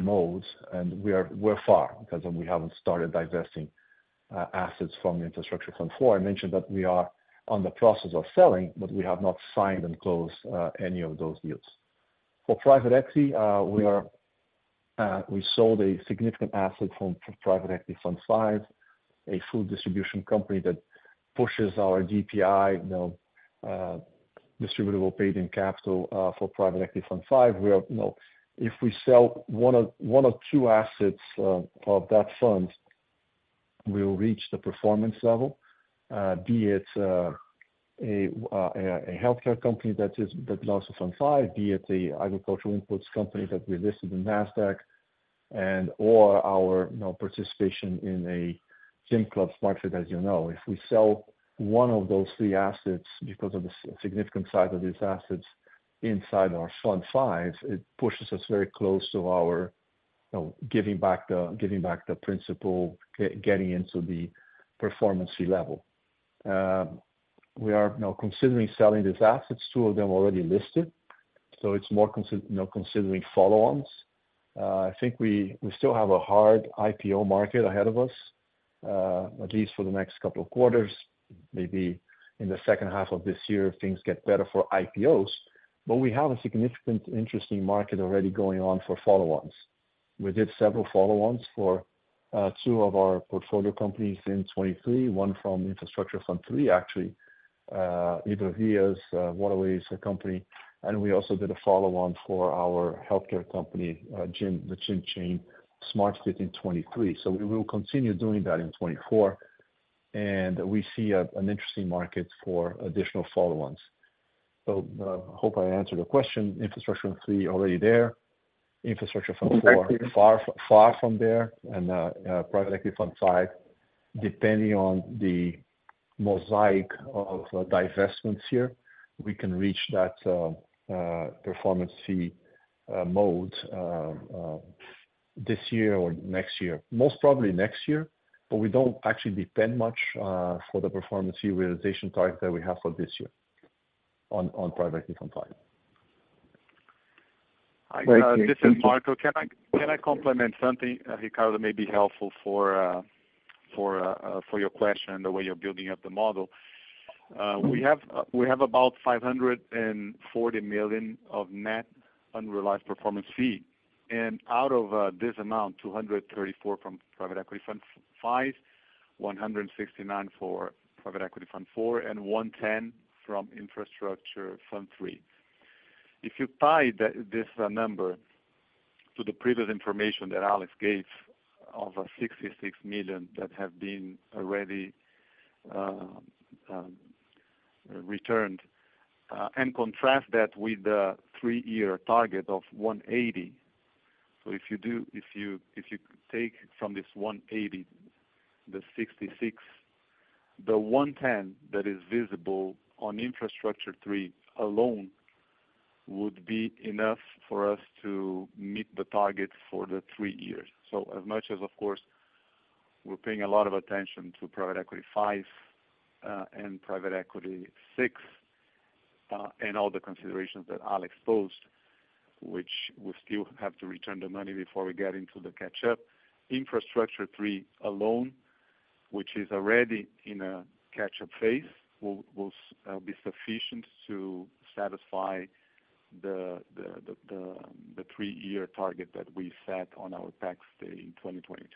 modes. And we're far because we haven't started divesting assets from Infrastructure Fund 4. I mentioned that we are in the process of selling, but we have not signed and closed any of those deals. For private equity, we sold a significant asset from Private Equity Fund 5, a food distribution company that pushes our DPI, distributed to paid-in capital, for Private Equity Fund 5. If we sell 1 or 2 assets of that fund, we'll reach the performance level, be it a healthcare company that belongs to Fund 5, be it an agricultural inputs company that we listed in NASDAQ, or our participation in a gym club Smar tFit, as you know. If we sell 1 of those 3 assets because of the significant size of these assets inside our Fund 5, it pushes us very close to our giving back the principal, getting into the performance fee level. We are considering selling these assets, 2 of them already listed, so it's more considering follow-ons. I think we still have a hard IPO market ahead of us, at least for the next couple of quarters. Maybe in the second half of this year, things get better for IPOs. But we have a significant, interesting market already going on for follow-ons. We did several follow-ons for two of our portfolio companies in 2023, one from Infrastructure Fund 3, actually, Entrevias, a company. And we also did a follow-on for our healthcare company, the gym chain, Smar tFit in 2023. So we will continue doing that in 2024. And we see an interesting market for additional follow-ons. So I hope I answered the question. Infrastructure Fund 3, already there. Infrastructure Fund 4, far from there. And private equity fund 5, depending on the mosaic of divestments here, we can reach that performance fee mode this year or next year, most probably next year. But we don't actually depend much for the performance fee realization target that we have for this year on private equity fund 5. Great. This is Marco. Can I complement something? Ricardo may be helpful for your question and the way you're building up the model. We have about $540 million of net unrealized performance fee. And out of this amount, $234 million from Private Equity Fund 5, $169 million from Private Equity Fund 4, and $110 million from Infrastructure Fund 3. If you tie this number to the previous information that Alex gave of $66 million that have been already returned and contrast that with the three-year target of $180 million so if you take from this $180 million, the $66 million, the $110 million that is visible on Infrastructure Fund 3 alone would be enough for us to meet the targets for the three years. So as much as, of course, we're paying a lot of attention to Private Equity 5 and Private Equity 6 and all the considerations that Alex posed, which we still have to return the money before we get into the catch-up, Infrastructure 3 alone, which is already in a catch-up phase, will be sufficient to satisfy the three-year target that we set on our tax day in 2022.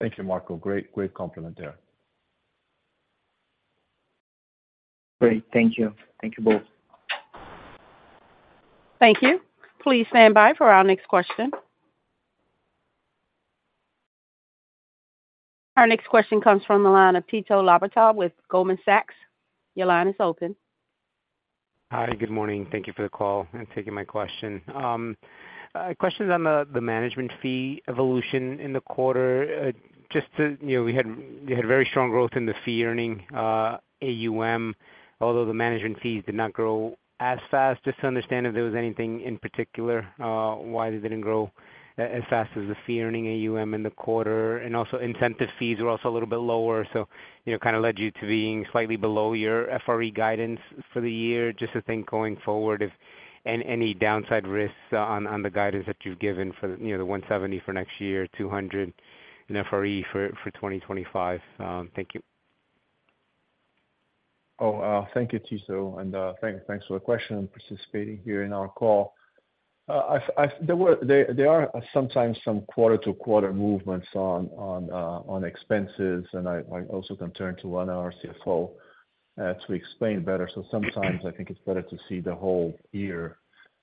Thank you, Marco. Great complement there. Great. Than`k you. Thank you both. Thank you. Please stand by for our next question. Our next question comes from the line of Tito Labarta with Goldman Sachs. Your line is open. Hi. Good morning. Thank you for the call and taking my question. Questions on the management fee evolution in the quarter. Just to we had very strong growth in the fee earning AUM, although the management fees did not grow as fast. Just to understand if there was anything in particular why they didn't grow as fast as the fee earning AUM in the quarter. And also, incentive fees were also a little bit lower, so kind of led you to being slightly below your FRE guidance for the year. Just to think going forward and any downside risks on the guidance that you've given for the $170 for next year, $200, and FRE for 2025. Thank you. Oh, thank you, Tito. And thanks for the question and participating here in our call. There are sometimes some quarter-to-quarter movements on expenses, and I also can turn to one of our CFOs to explain better. So sometimes, I think it's better to see the whole year.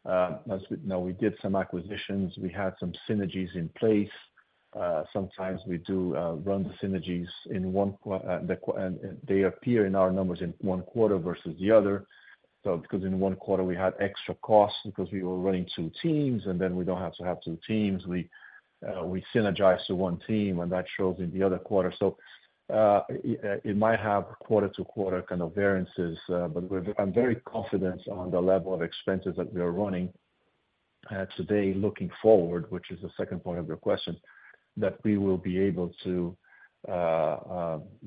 Now, we did some acquisitions. We had some synergies in place. Sometimes, we do run the synergies in one they appear in our numbers in one quarter versus the other. So because in one quarter, we had extra costs because we were running two teams, and then we don't have to have two teams, we synergize to one team, and that shows in the other quarter. So it might have quarter-to-quarter kind of variances, but I'm very confident on the level of expenses that we are running today looking forward, which is the second point of your question, that we will be able to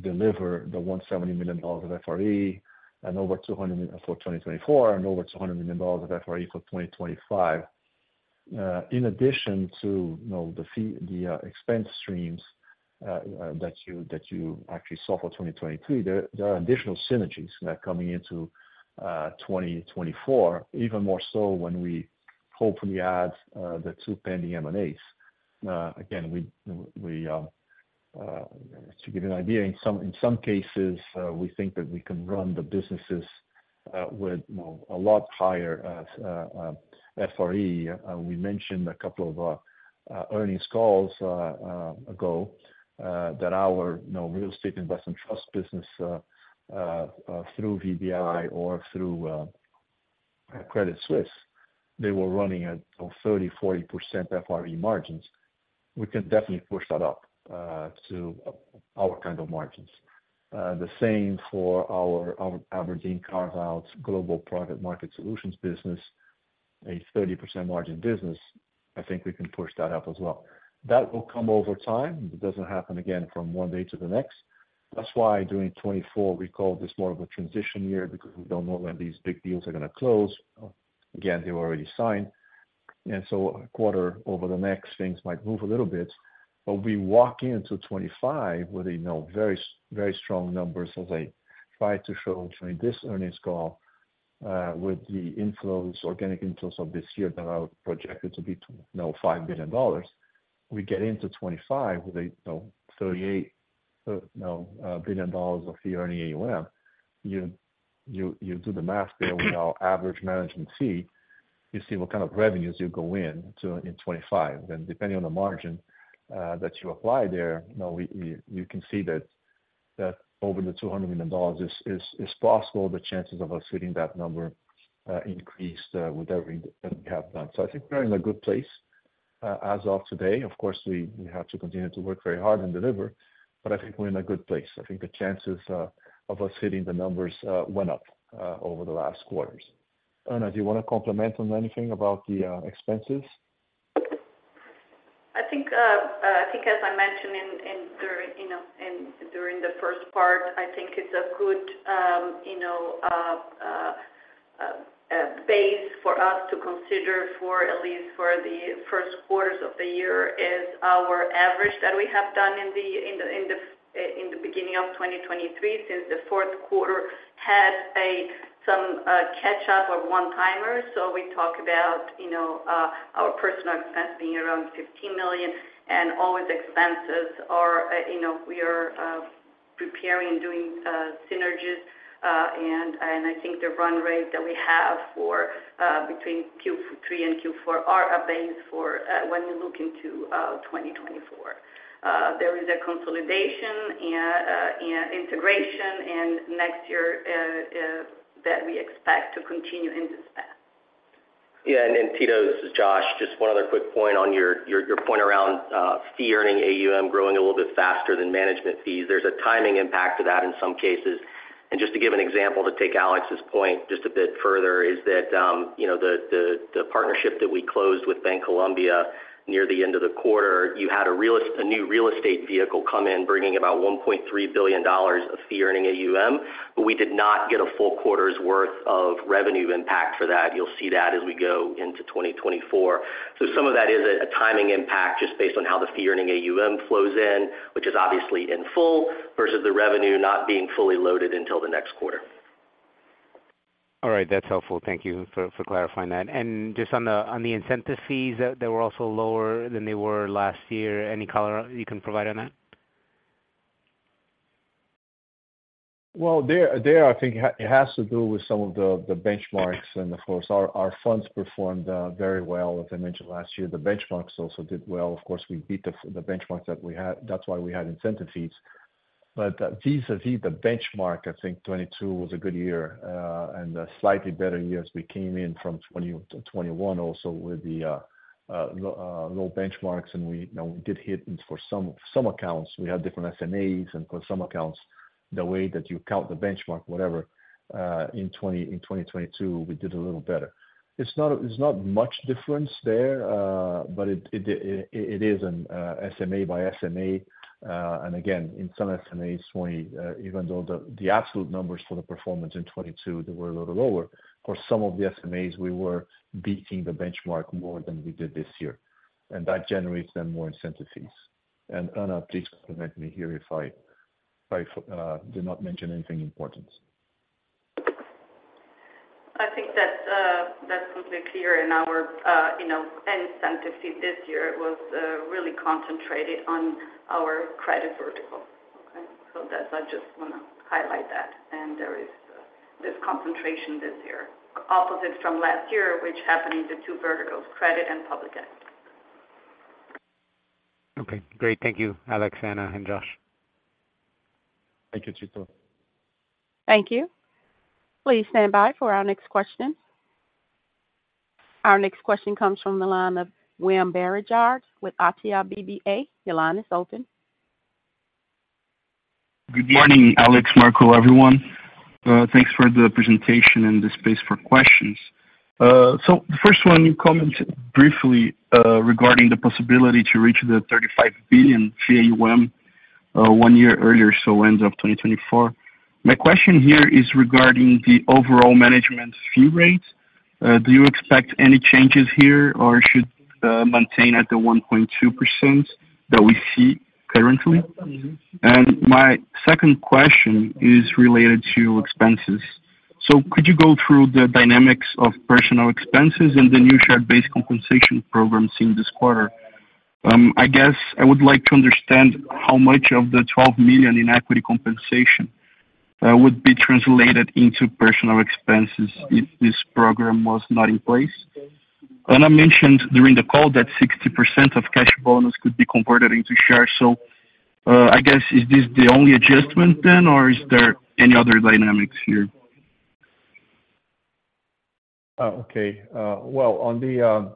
deliver the $170 million of FRE for 2024 and over $200 million of FRE for 2025. In addition to the expense streams that you actually saw for 2023, there are additional synergies coming into 2024, even more so when we hopefully add the two pending M&As. Again, to give you an idea, in some cases, we think that we can run the businesses with a lot higher FRE. We mentioned a couple of earnings calls ago that our real estate investment trust business through VBI or through Credit Suisse, they were running at 30%-40% FRE margins. We can definitely push that up to our kind of margins. The same for our abrdn carve-outs Global Private Markets Solutions business, a 30% margin business. I think we can push that up as well. That will come over time. It doesn't happen again from one day to the next. That's why during 2024, we call this more of a transition year because we don't know when these big deals are going to close. Again, they were already signed. And so a quarter over the next, things might move a little bit. But we walk into 2025 with very strong numbers. As I tried to show during this earnings call with the organic inflows of this year that are projected to be $5 billion, we get into 2025 with $38 billion of fee earning AUM. You do the math there with our average management fee. You see what kind of revenues you go in in 2025. And depending on the margin that you apply there, you can see that over the $200 million, it's possible the chances of us hitting that number increased with everything that we have done. So I think we're in a good place as of today. Of course, we have to continue to work very hard and deliver, but I think we're in a good place. I think the chances of us hitting the numbers went up over the last quarters. Ana, do you want to comment on anything about the expenses? I think, as I mentioned during the first part, I think it's a good base for us to consider for at least for the first quarters of the year is our average that we have done in the beginning of 2023 since the fourth quarter had some catch-up of one-timers. So we talk about our personnel expense being around $15 million. And all these expenses, we are preparing and doing synergies. And I think the run rate that we have between Q3 and Q4 are a base for when you look into 2024. There is a consolidation and integration and next year that we expect to continue in this path. Yeah. And Tito, this is Josh. Just one other quick point on your point around fee earning AUM growing a little bit faster than management fees. There's a timing impact to that in some cases. And just to give an example to take Alex's point just a bit further, is that the partnership that we closed with Bancolombia near the end of the quarter, you had a new real estate vehicle come in bringing about $1.3 billion of fee earning AUM, but we did not get a full quarter's worth of revenue impact for that. You'll see that as we go into 2024. So some of that is a timing impact just based on how the fee earning AUM flows in, which is obviously in full, versus the revenue not being fully loaded until the next quarter. All right. That's helpful. Thank you for clarifying that. And just on the incentive fees, they were also lower than they were last year. Any color you can provide on that? Well, there, I think it has to do with some of the benchmarks. Of course, our funds performed very well, as I mentioned, last year. The benchmarks also did well. Of course, we beat the benchmarks that we had. That's why we had incentive fees. But vis-à-vis the benchmark, I think 2022 was a good year and a slightly better year as we came in from 2021 also with the low benchmarks. And we did hit for some accounts. We had different SMAs. And for some accounts, the way that you count the benchmark, whatever, in 2022, we did a little better. It's not much difference there, but it is an SMA by SMA. And again, in some SMAs, even though the absolute numbers for the performance in 2022, they were a little lower, for some of the SMAs, we were beating the benchmark more than we did this year. And that generates then more incentive fees. And Ana, please correct me here if I did not mention anything important. I think that's completely clear. And our incentive fee this year was really concentrated on our credit vertical. Okay? So I just want to highlight that. And there is this concentration this year, opposite from last year, which happened in the two verticals, credit and public equity. Okay. Great. Thank you, Alex, Ana, and Josh. Thank you, Tito. Thank you. Please stand by for our next question. Our next question comes from the line of William Barranjard with Itaú BBA. Your line is open. Good morning, Alex, Marco, everyone. Thanks for the presentation and the space for questions. So the first one, you commented briefly regarding the possibility to reach the $35 billion fee AUM one year earlier, so end of 2024. My question here is regarding the overall management fee rate. Do you expect any changes here, or should it be maintained at the 1.2% that we see currently? And my second question is related to expenses. So could you go through the dynamics of personnel expenses and the new share-based compensation program seen this quarter? I guess I would like to understand how much of the $12 million in equity compensation would be translated into personnel expenses if this program was not in place. Ana mentioned during the call that 60% of cash bonus could be converted into shares. So I guess, is this the only adjustment then, or is there any other dynamics here? Okay. Well, on the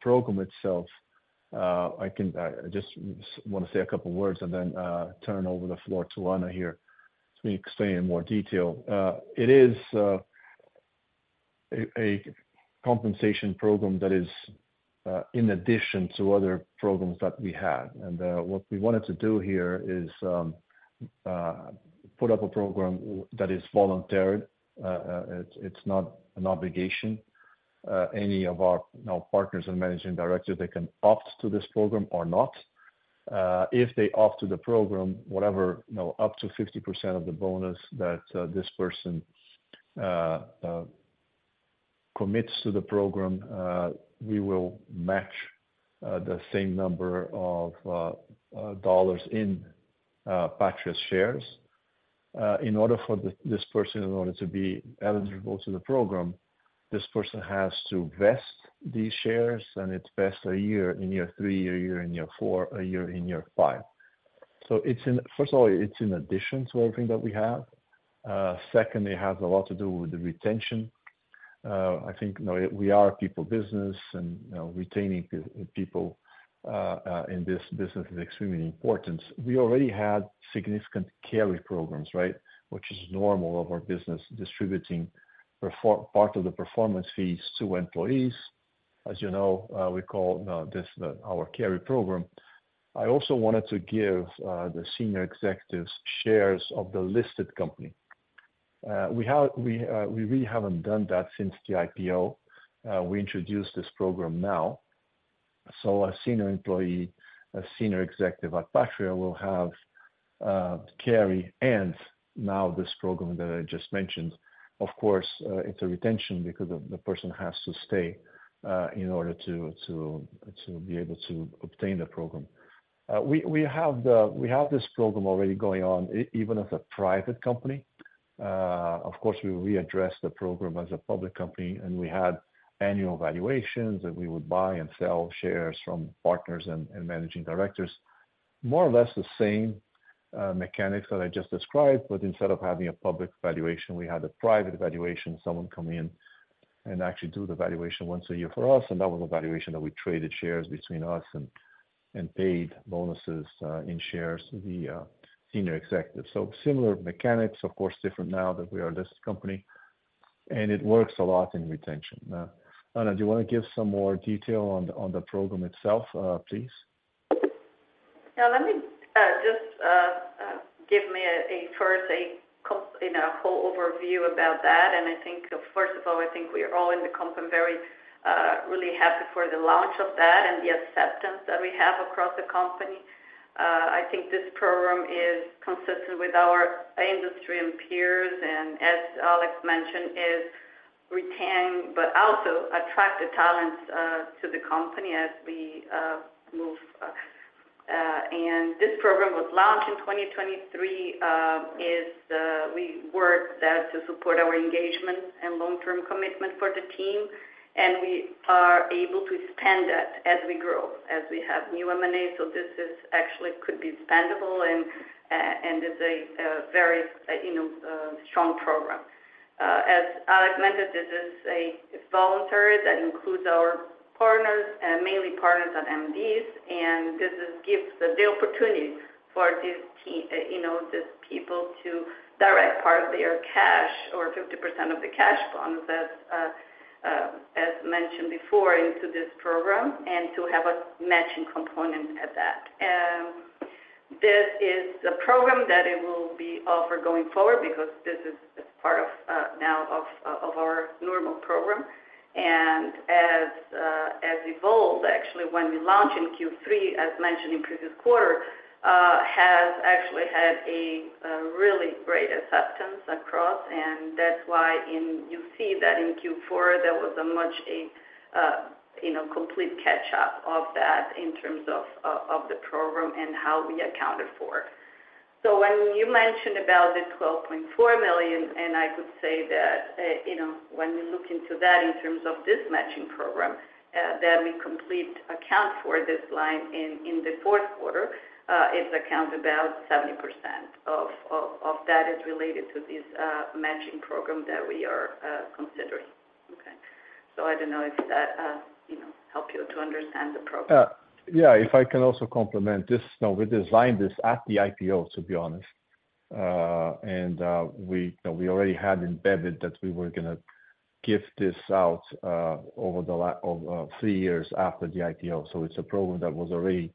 program itself, I just want to say a couple of words and then turn over the floor to Ana here to explain in more detail. It is a compensation program that is in addition to other programs that we have. What we wanted to do here is put up a program that is voluntary. It's not an obligation. Any of our partners and managing directors, they can opt to this program or not. If they opt to the program, whatever, up to 50% of the bonus that this person commits to the program, we will match the same number of dollars in Patria's shares. In order for this person, in order to be eligible to the program, this person has to vest these shares, and it's vested a year in year three, a year in year four, a year in year five. So first of all, it's in addition to everything that we have. Second, it has a lot to do with the retention. I think we are a people business, and retaining people in this business is extremely important. We already had significant carry programs, right, which is normal of our business distributing part of the performance fees to employees. As you know, we call this our carry program. I also wanted to give the senior executives shares of the listed company. We really haven't done that since the IPO. We introduced this program now. So a senior employee, a senior executive at Patria will have carry and now this program that I just mentioned. Of course, it's a retention because the person has to stay in order to be able to obtain the program. We have this program already going on even as a private company. Of course, we addressed the program as a public company, and we had annual valuations that we would buy and sell shares from partners and managing directors, more or less the same mechanics that I just described. But instead of having a public valuation, we had a private valuation, someone come in and actually do the valuation once a year for us. And that was a valuation that we traded shares between us and paid bonuses in shares to the senior executives. So similar mechanics, of course, different now that we are a listed company. And it works a lot in retention. Ana, do you want to give some more detail on the program itself, please? Yeah. Let me just give me first a whole overview about that. I think, first of all, I think we are all in the company and really happy for the launch of that and the acceptance that we have across the company. I think this program is consistent with our industry and peers and, as Alex mentioned, is retaining but also attracting talents to the company as we move. This program was launched in 2023. We work there to support our engagement and long-term commitment for the team. We are able to spend that as we grow, as we have new M&A. This actually could be spendable, and it's a very strong program. As Alex mentioned, this is voluntary. That includes our partners, mainly partners at MDs. This gives the opportunity for these people to direct part of their cash or 50% of the cash bonus, as mentioned before, into this program and to have a matching component at that. This is a program that it will be offered going forward because this is part now of our normal program. As evolved, actually, when we launched in Q3, as mentioned in previous quarter, has actually had a really great acceptance across. That's why you see that in Q4, there was much a complete catch-up of that in terms of the program and how we accounted for it. So when you mentioned about the $12.4 million, and I could say that when we look into that in terms of this matching program that we complete account for this line in the fourth quarter, it's accounted about 70% of that is related to this matching program that we are considering. Okay? So I don't know if that helps you to understand the program. Yeah. If I can also complement this, we designed this at the IPO, to be honest. And we already had embedded that we were going to give this out over the last three years after the IPO. So it's a program that was already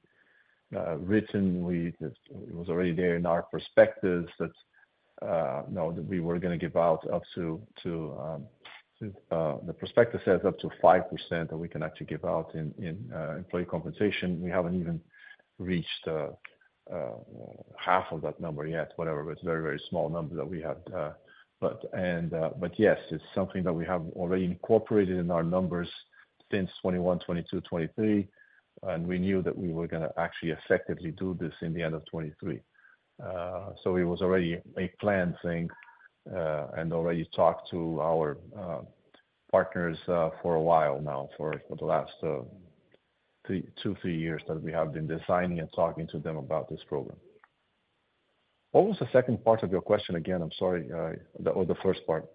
written. It was already there in our prospectus that we were going to give out up to the prospectus says up to 5% that we can actually give out in employee compensation. We haven't even reached half of that number yet, whatever. It's a very, very small number that we have. But yes, it's something that we have already incorporated in our numbers since 2021, 2022, 2023. And we knew that we were going to actually effectively do this in the end of 2023. So it was already a planned thing and already talked to our partners for a while now for the last two, three years that we have been designing and talking to them about this program. What was the second part of your question? Again, I'm sorry. Or the first part?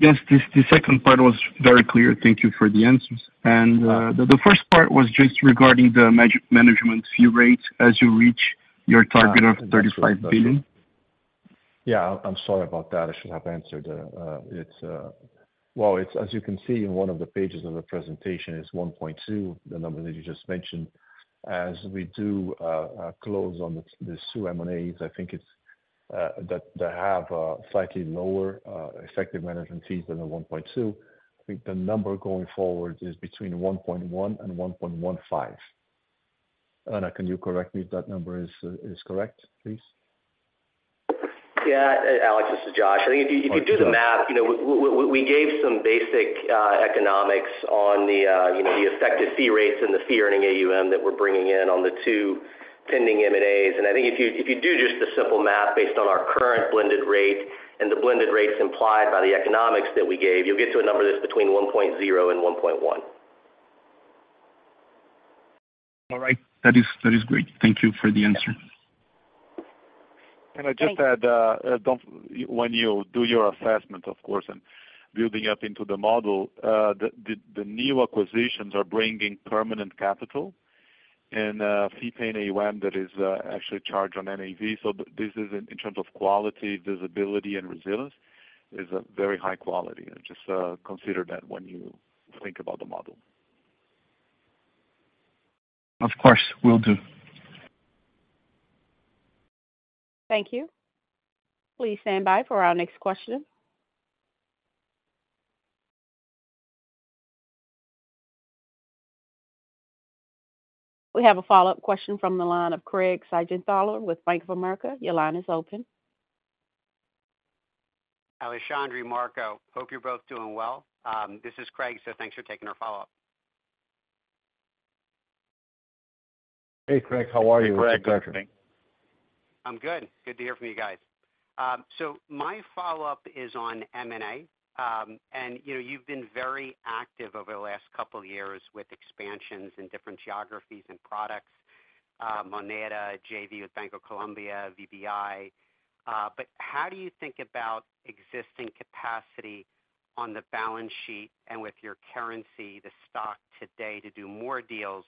Yes. The second part was very clear. Thank you for the answers. And the first part was just regarding the management fee rate as you reach your target of $35 billion. Yeah. I'm sorry about that. I should have answered it. Well, as you can see in one of the pages of the presentation, it's 1.2, the number that you just mentioned. As we do close on the two M&As, I think that they have slightly lower effective management fees than the 1.2. I think the number going forward is between 1.1 and 1.15. Ana, can you correct me if that number is correct, please? Yeah. Alex, this is Josh. I think if you do the math, we gave some basic economics on the effective fee rates and the fee earning AUM that we're bringing in on the two pending M&As. And I think if you do just the simple math based on our current blended rate and the blended rates implied by the economics that we gave, you'll get to a number that's between 1.0 and 1.1. All right. That is great. Thank you for the answer. I just add, when you do your assessment, of course, and building up into the model, the new acquisitions are bringing permanent capital and fee-paying AUM that is actually charged on NAV. This is in terms of quality, visibility, and resilience, is a very high quality. Just consider that when you think about the model. Of course. Will do. Thank you. Please stand by for our next question. We have a follow-up question from the line of Craig Siegenthaler with Bank of America. Your line is open. Alexandre, Marco. Hope you're both doing well. This is Craig. Thanks for taking our follow-up. Hey, Craig. How are you, executive director? Hey, Craig. I'm good. Good to hear from you guys. My follow-up is on M&A. You've been very active over the last couple of years with expansions in different geographies and products, Moneda, JV with Bancolombia, VBI. But how do you think about existing capacity on the balance sheet and with your currency, the stock today, to do more deals?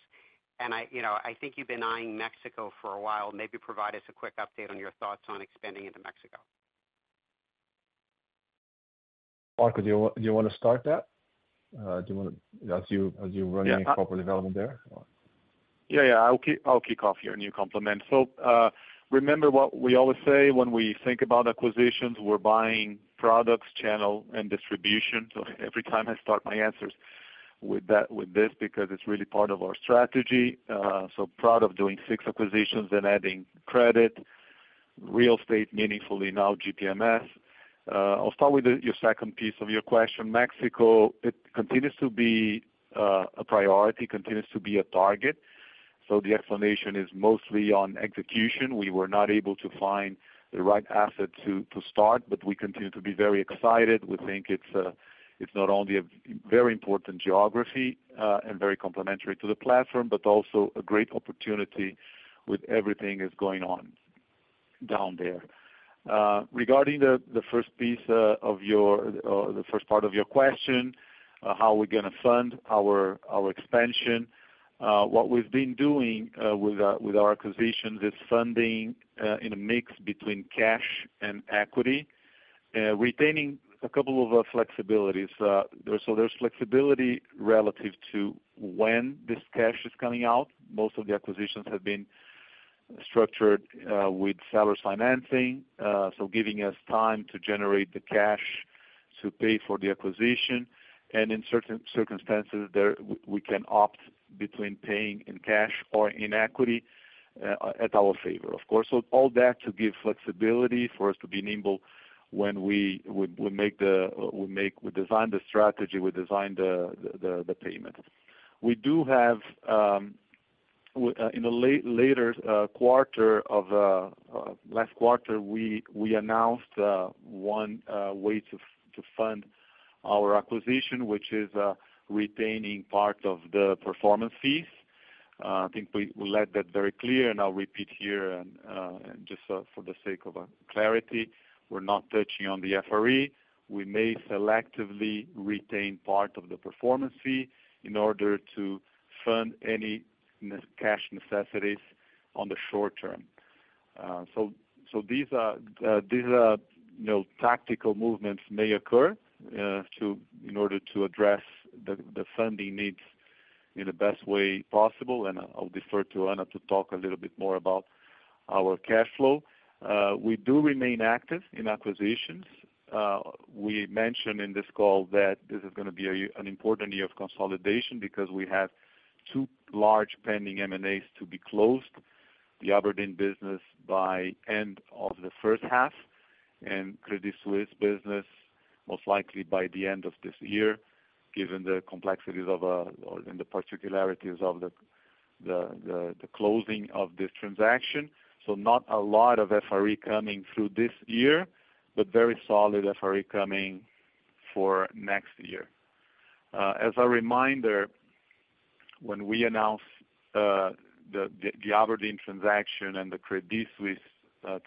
I think you've been eyeing Mexico for a while. Maybe provide us a quick update on your thoughts on expanding into Mexico. Marco, do you want to start that? Do you want to as you're running corporate development there? Yeah. Yeah. I'll kick off your new comment. Remember what we always say when we think about acquisitions, we're buying products, channel, and distribution. Every time I start my answers with this because it's really part of our strategy. Proud of doing 6 acquisitions and adding credit, real estate meaningfully, now GPMS. I'll start with your second piece of your question. Mexico, it continues to be a priority, continues to be a target. So the explanation is mostly on execution. We were not able to find the right asset to start, but we continue to be very excited. We think it's not only a very important geography and very complementary to the platform but also a great opportunity with everything that's going on down there. Regarding the first piece of your the first part of your question, how we're going to fund our expansion, what we've been doing with our acquisitions is funding in a mix between cash and equity, retaining a couple of flexibilities. So there's flexibility relative to when this cash is coming out. Most of the acquisitions have been structured with seller financing, so giving us time to generate the cash to pay for the acquisition. In certain circumstances, we can opt between paying in cash or in equity at our favor, of course. So all that to give flexibility for us to be nimble when we design the strategy, we design the payment. We do have in the latter quarter of last quarter, we announced one way to fund our acquisition, which is retaining part of the performance fees. I think we laid that very clear. And I'll repeat here just for the sake of clarity, we're not touching on the FRE. We may selectively retain part of the performance fee in order to fund any cash necessities in the short term. So these tactical movements may occur in order to address the funding needs in the best way possible. And I'll defer to Ana to talk a little bit more about our cash flow. We do remain active in acquisitions. We mentioned in this call that this is going to be an important year of consolidation because we have two large pending M&As to be closed, the abrdn business by end of the first half and Credit Suisse business most likely by the end of this year given the complexities of and the particularities of the closing of this transaction. So not a lot of FRE coming through this year but very solid FRE coming for next year. As a reminder, when we announced the abrdn transaction and the Credit Suisse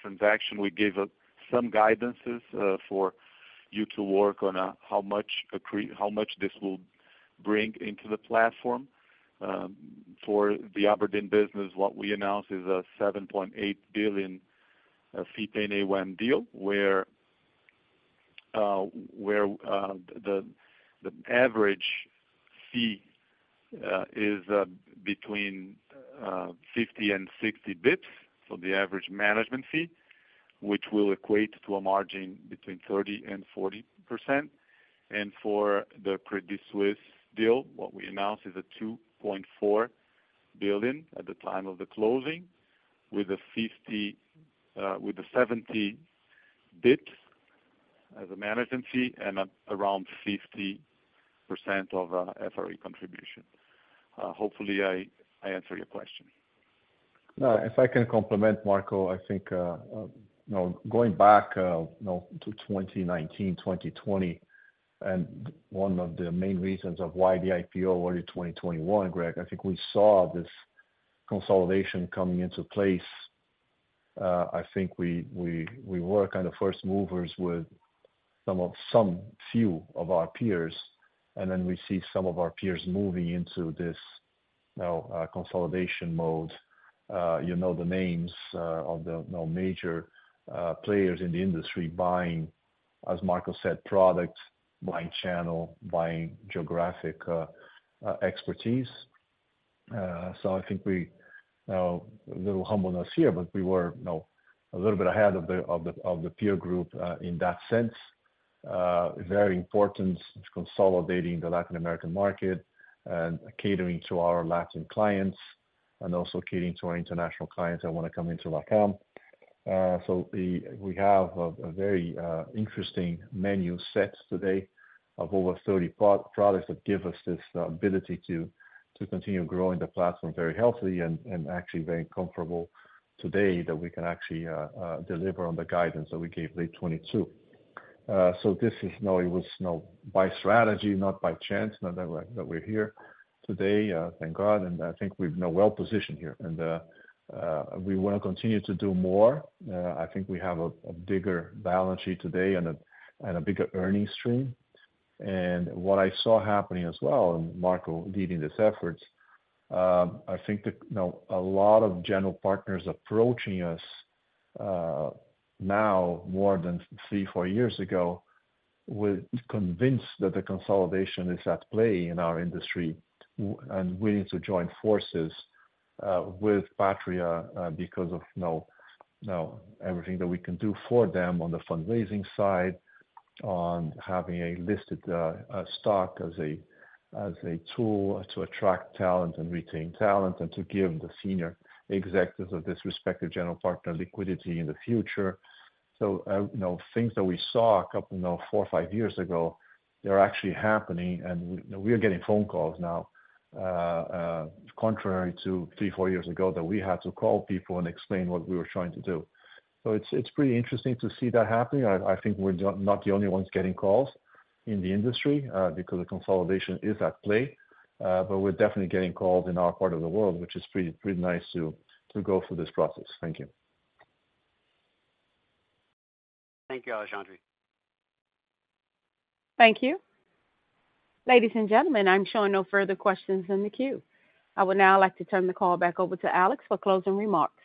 transaction, we gave some guidances for you to work on how much this will bring into the platform. For the abrdn business, what we announced is a $7.8 billion fee-paying AUM deal where the average fee is between 50-60 basis points, so the average management fee, which will equate to a margin between 30%-40%. And for the Credit Suisse deal, what we announced is a $2.4 billion at the time of the closing with a 70 basis points as a management fee and around 50% of FRE contribution. Hopefully, I answered your question. If I can complement, Marco, I think going back to 2019, 2020, and one of the main reasons of why the IPO was in 2021, Craig, I think we saw this consolidation coming into place. I think we were kind of first movers with some few of our peers. And then we see some of our peers moving into this consolidation mode. You know the names of the major players in the industry buying, as Marco said, product, buying channel, buying geographic expertise. So I think we a little humbleness here, but we were a little bit ahead of the peer group in that sense. Very important consolidating the Latin American market and catering to our Latin clients and also catering to our international clients that want to come into LatAm. So we have a very interesting menu set today of over 30 products that give us this ability to continue growing the platform very healthily and actually very comfortable today that we can actually deliver on the guidance that we gave late 2022. So this is it was by strategy, not by chance that we're here today, thank God. And I think we're well positioned here. And we want to continue to do more. I think we have a bigger balance sheet today and a bigger earnings stream. What I saw happening as well, and Marco leading this effort, I think a lot of general partners approaching us now more than 3, 4 years ago were convinced that the consolidation is at play in our industry and willing to join forces with Patria because of everything that we can do for them on the fundraising side. On having a listed stock as a tool to attract talent and retain talent and to give the senior executives of this respective general partner liquidity in the future. So things that we saw a couple 4, 5 years ago, they're actually happening. We're getting phone calls now, contrary to 3, 4 years ago that we had to call people and explain what we were trying to do. So it's pretty interesting to see that happening. I think we're not the only ones getting calls in the industry because the consolidation is at play. But we're definitely getting calls in our part of the world, which is pretty nice to go through this process. Thank you. Thank you, Alexandre. Thank you. Ladies and gentlemen, I'm showing no further questions in the queue. I would now like to turn the call back over to Alex for closing remarks.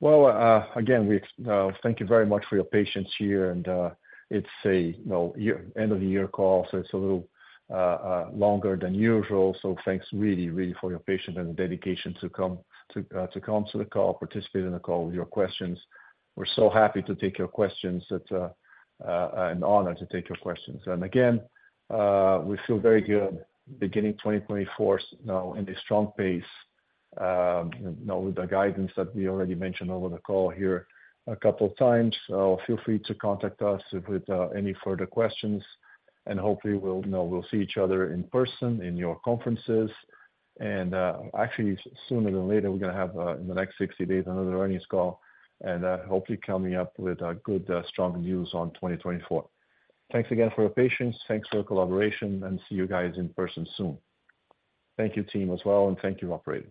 Well, again, thank you very much for your patience here. It's end-of-the-year call, so it's a little longer than usual. Thanks really, really for your patience and the dedication to come to the call, participate in the call with your questions. We're so happy to take your questions. It's an honor to take your questions. And again, we feel very good beginning 2024 in a strong pace with the guidance that we already mentioned over the call here a couple of times. So feel free to contact us with any further questions. And hopefully, we'll see each other in person in your conferences. And actually, sooner than later, we're going to have in the next 60 days another earnings call and hopefully coming up with good, strong news on 2024. Thanks again for your patience. Thanks for your collaboration. And see you guys in person soon. Thank you, team, as well. And thank you, operator.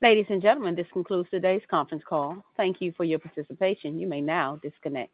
Ladies and gentlemen, this concludes today's conference call. Thank you for your participation. You may now disconnect.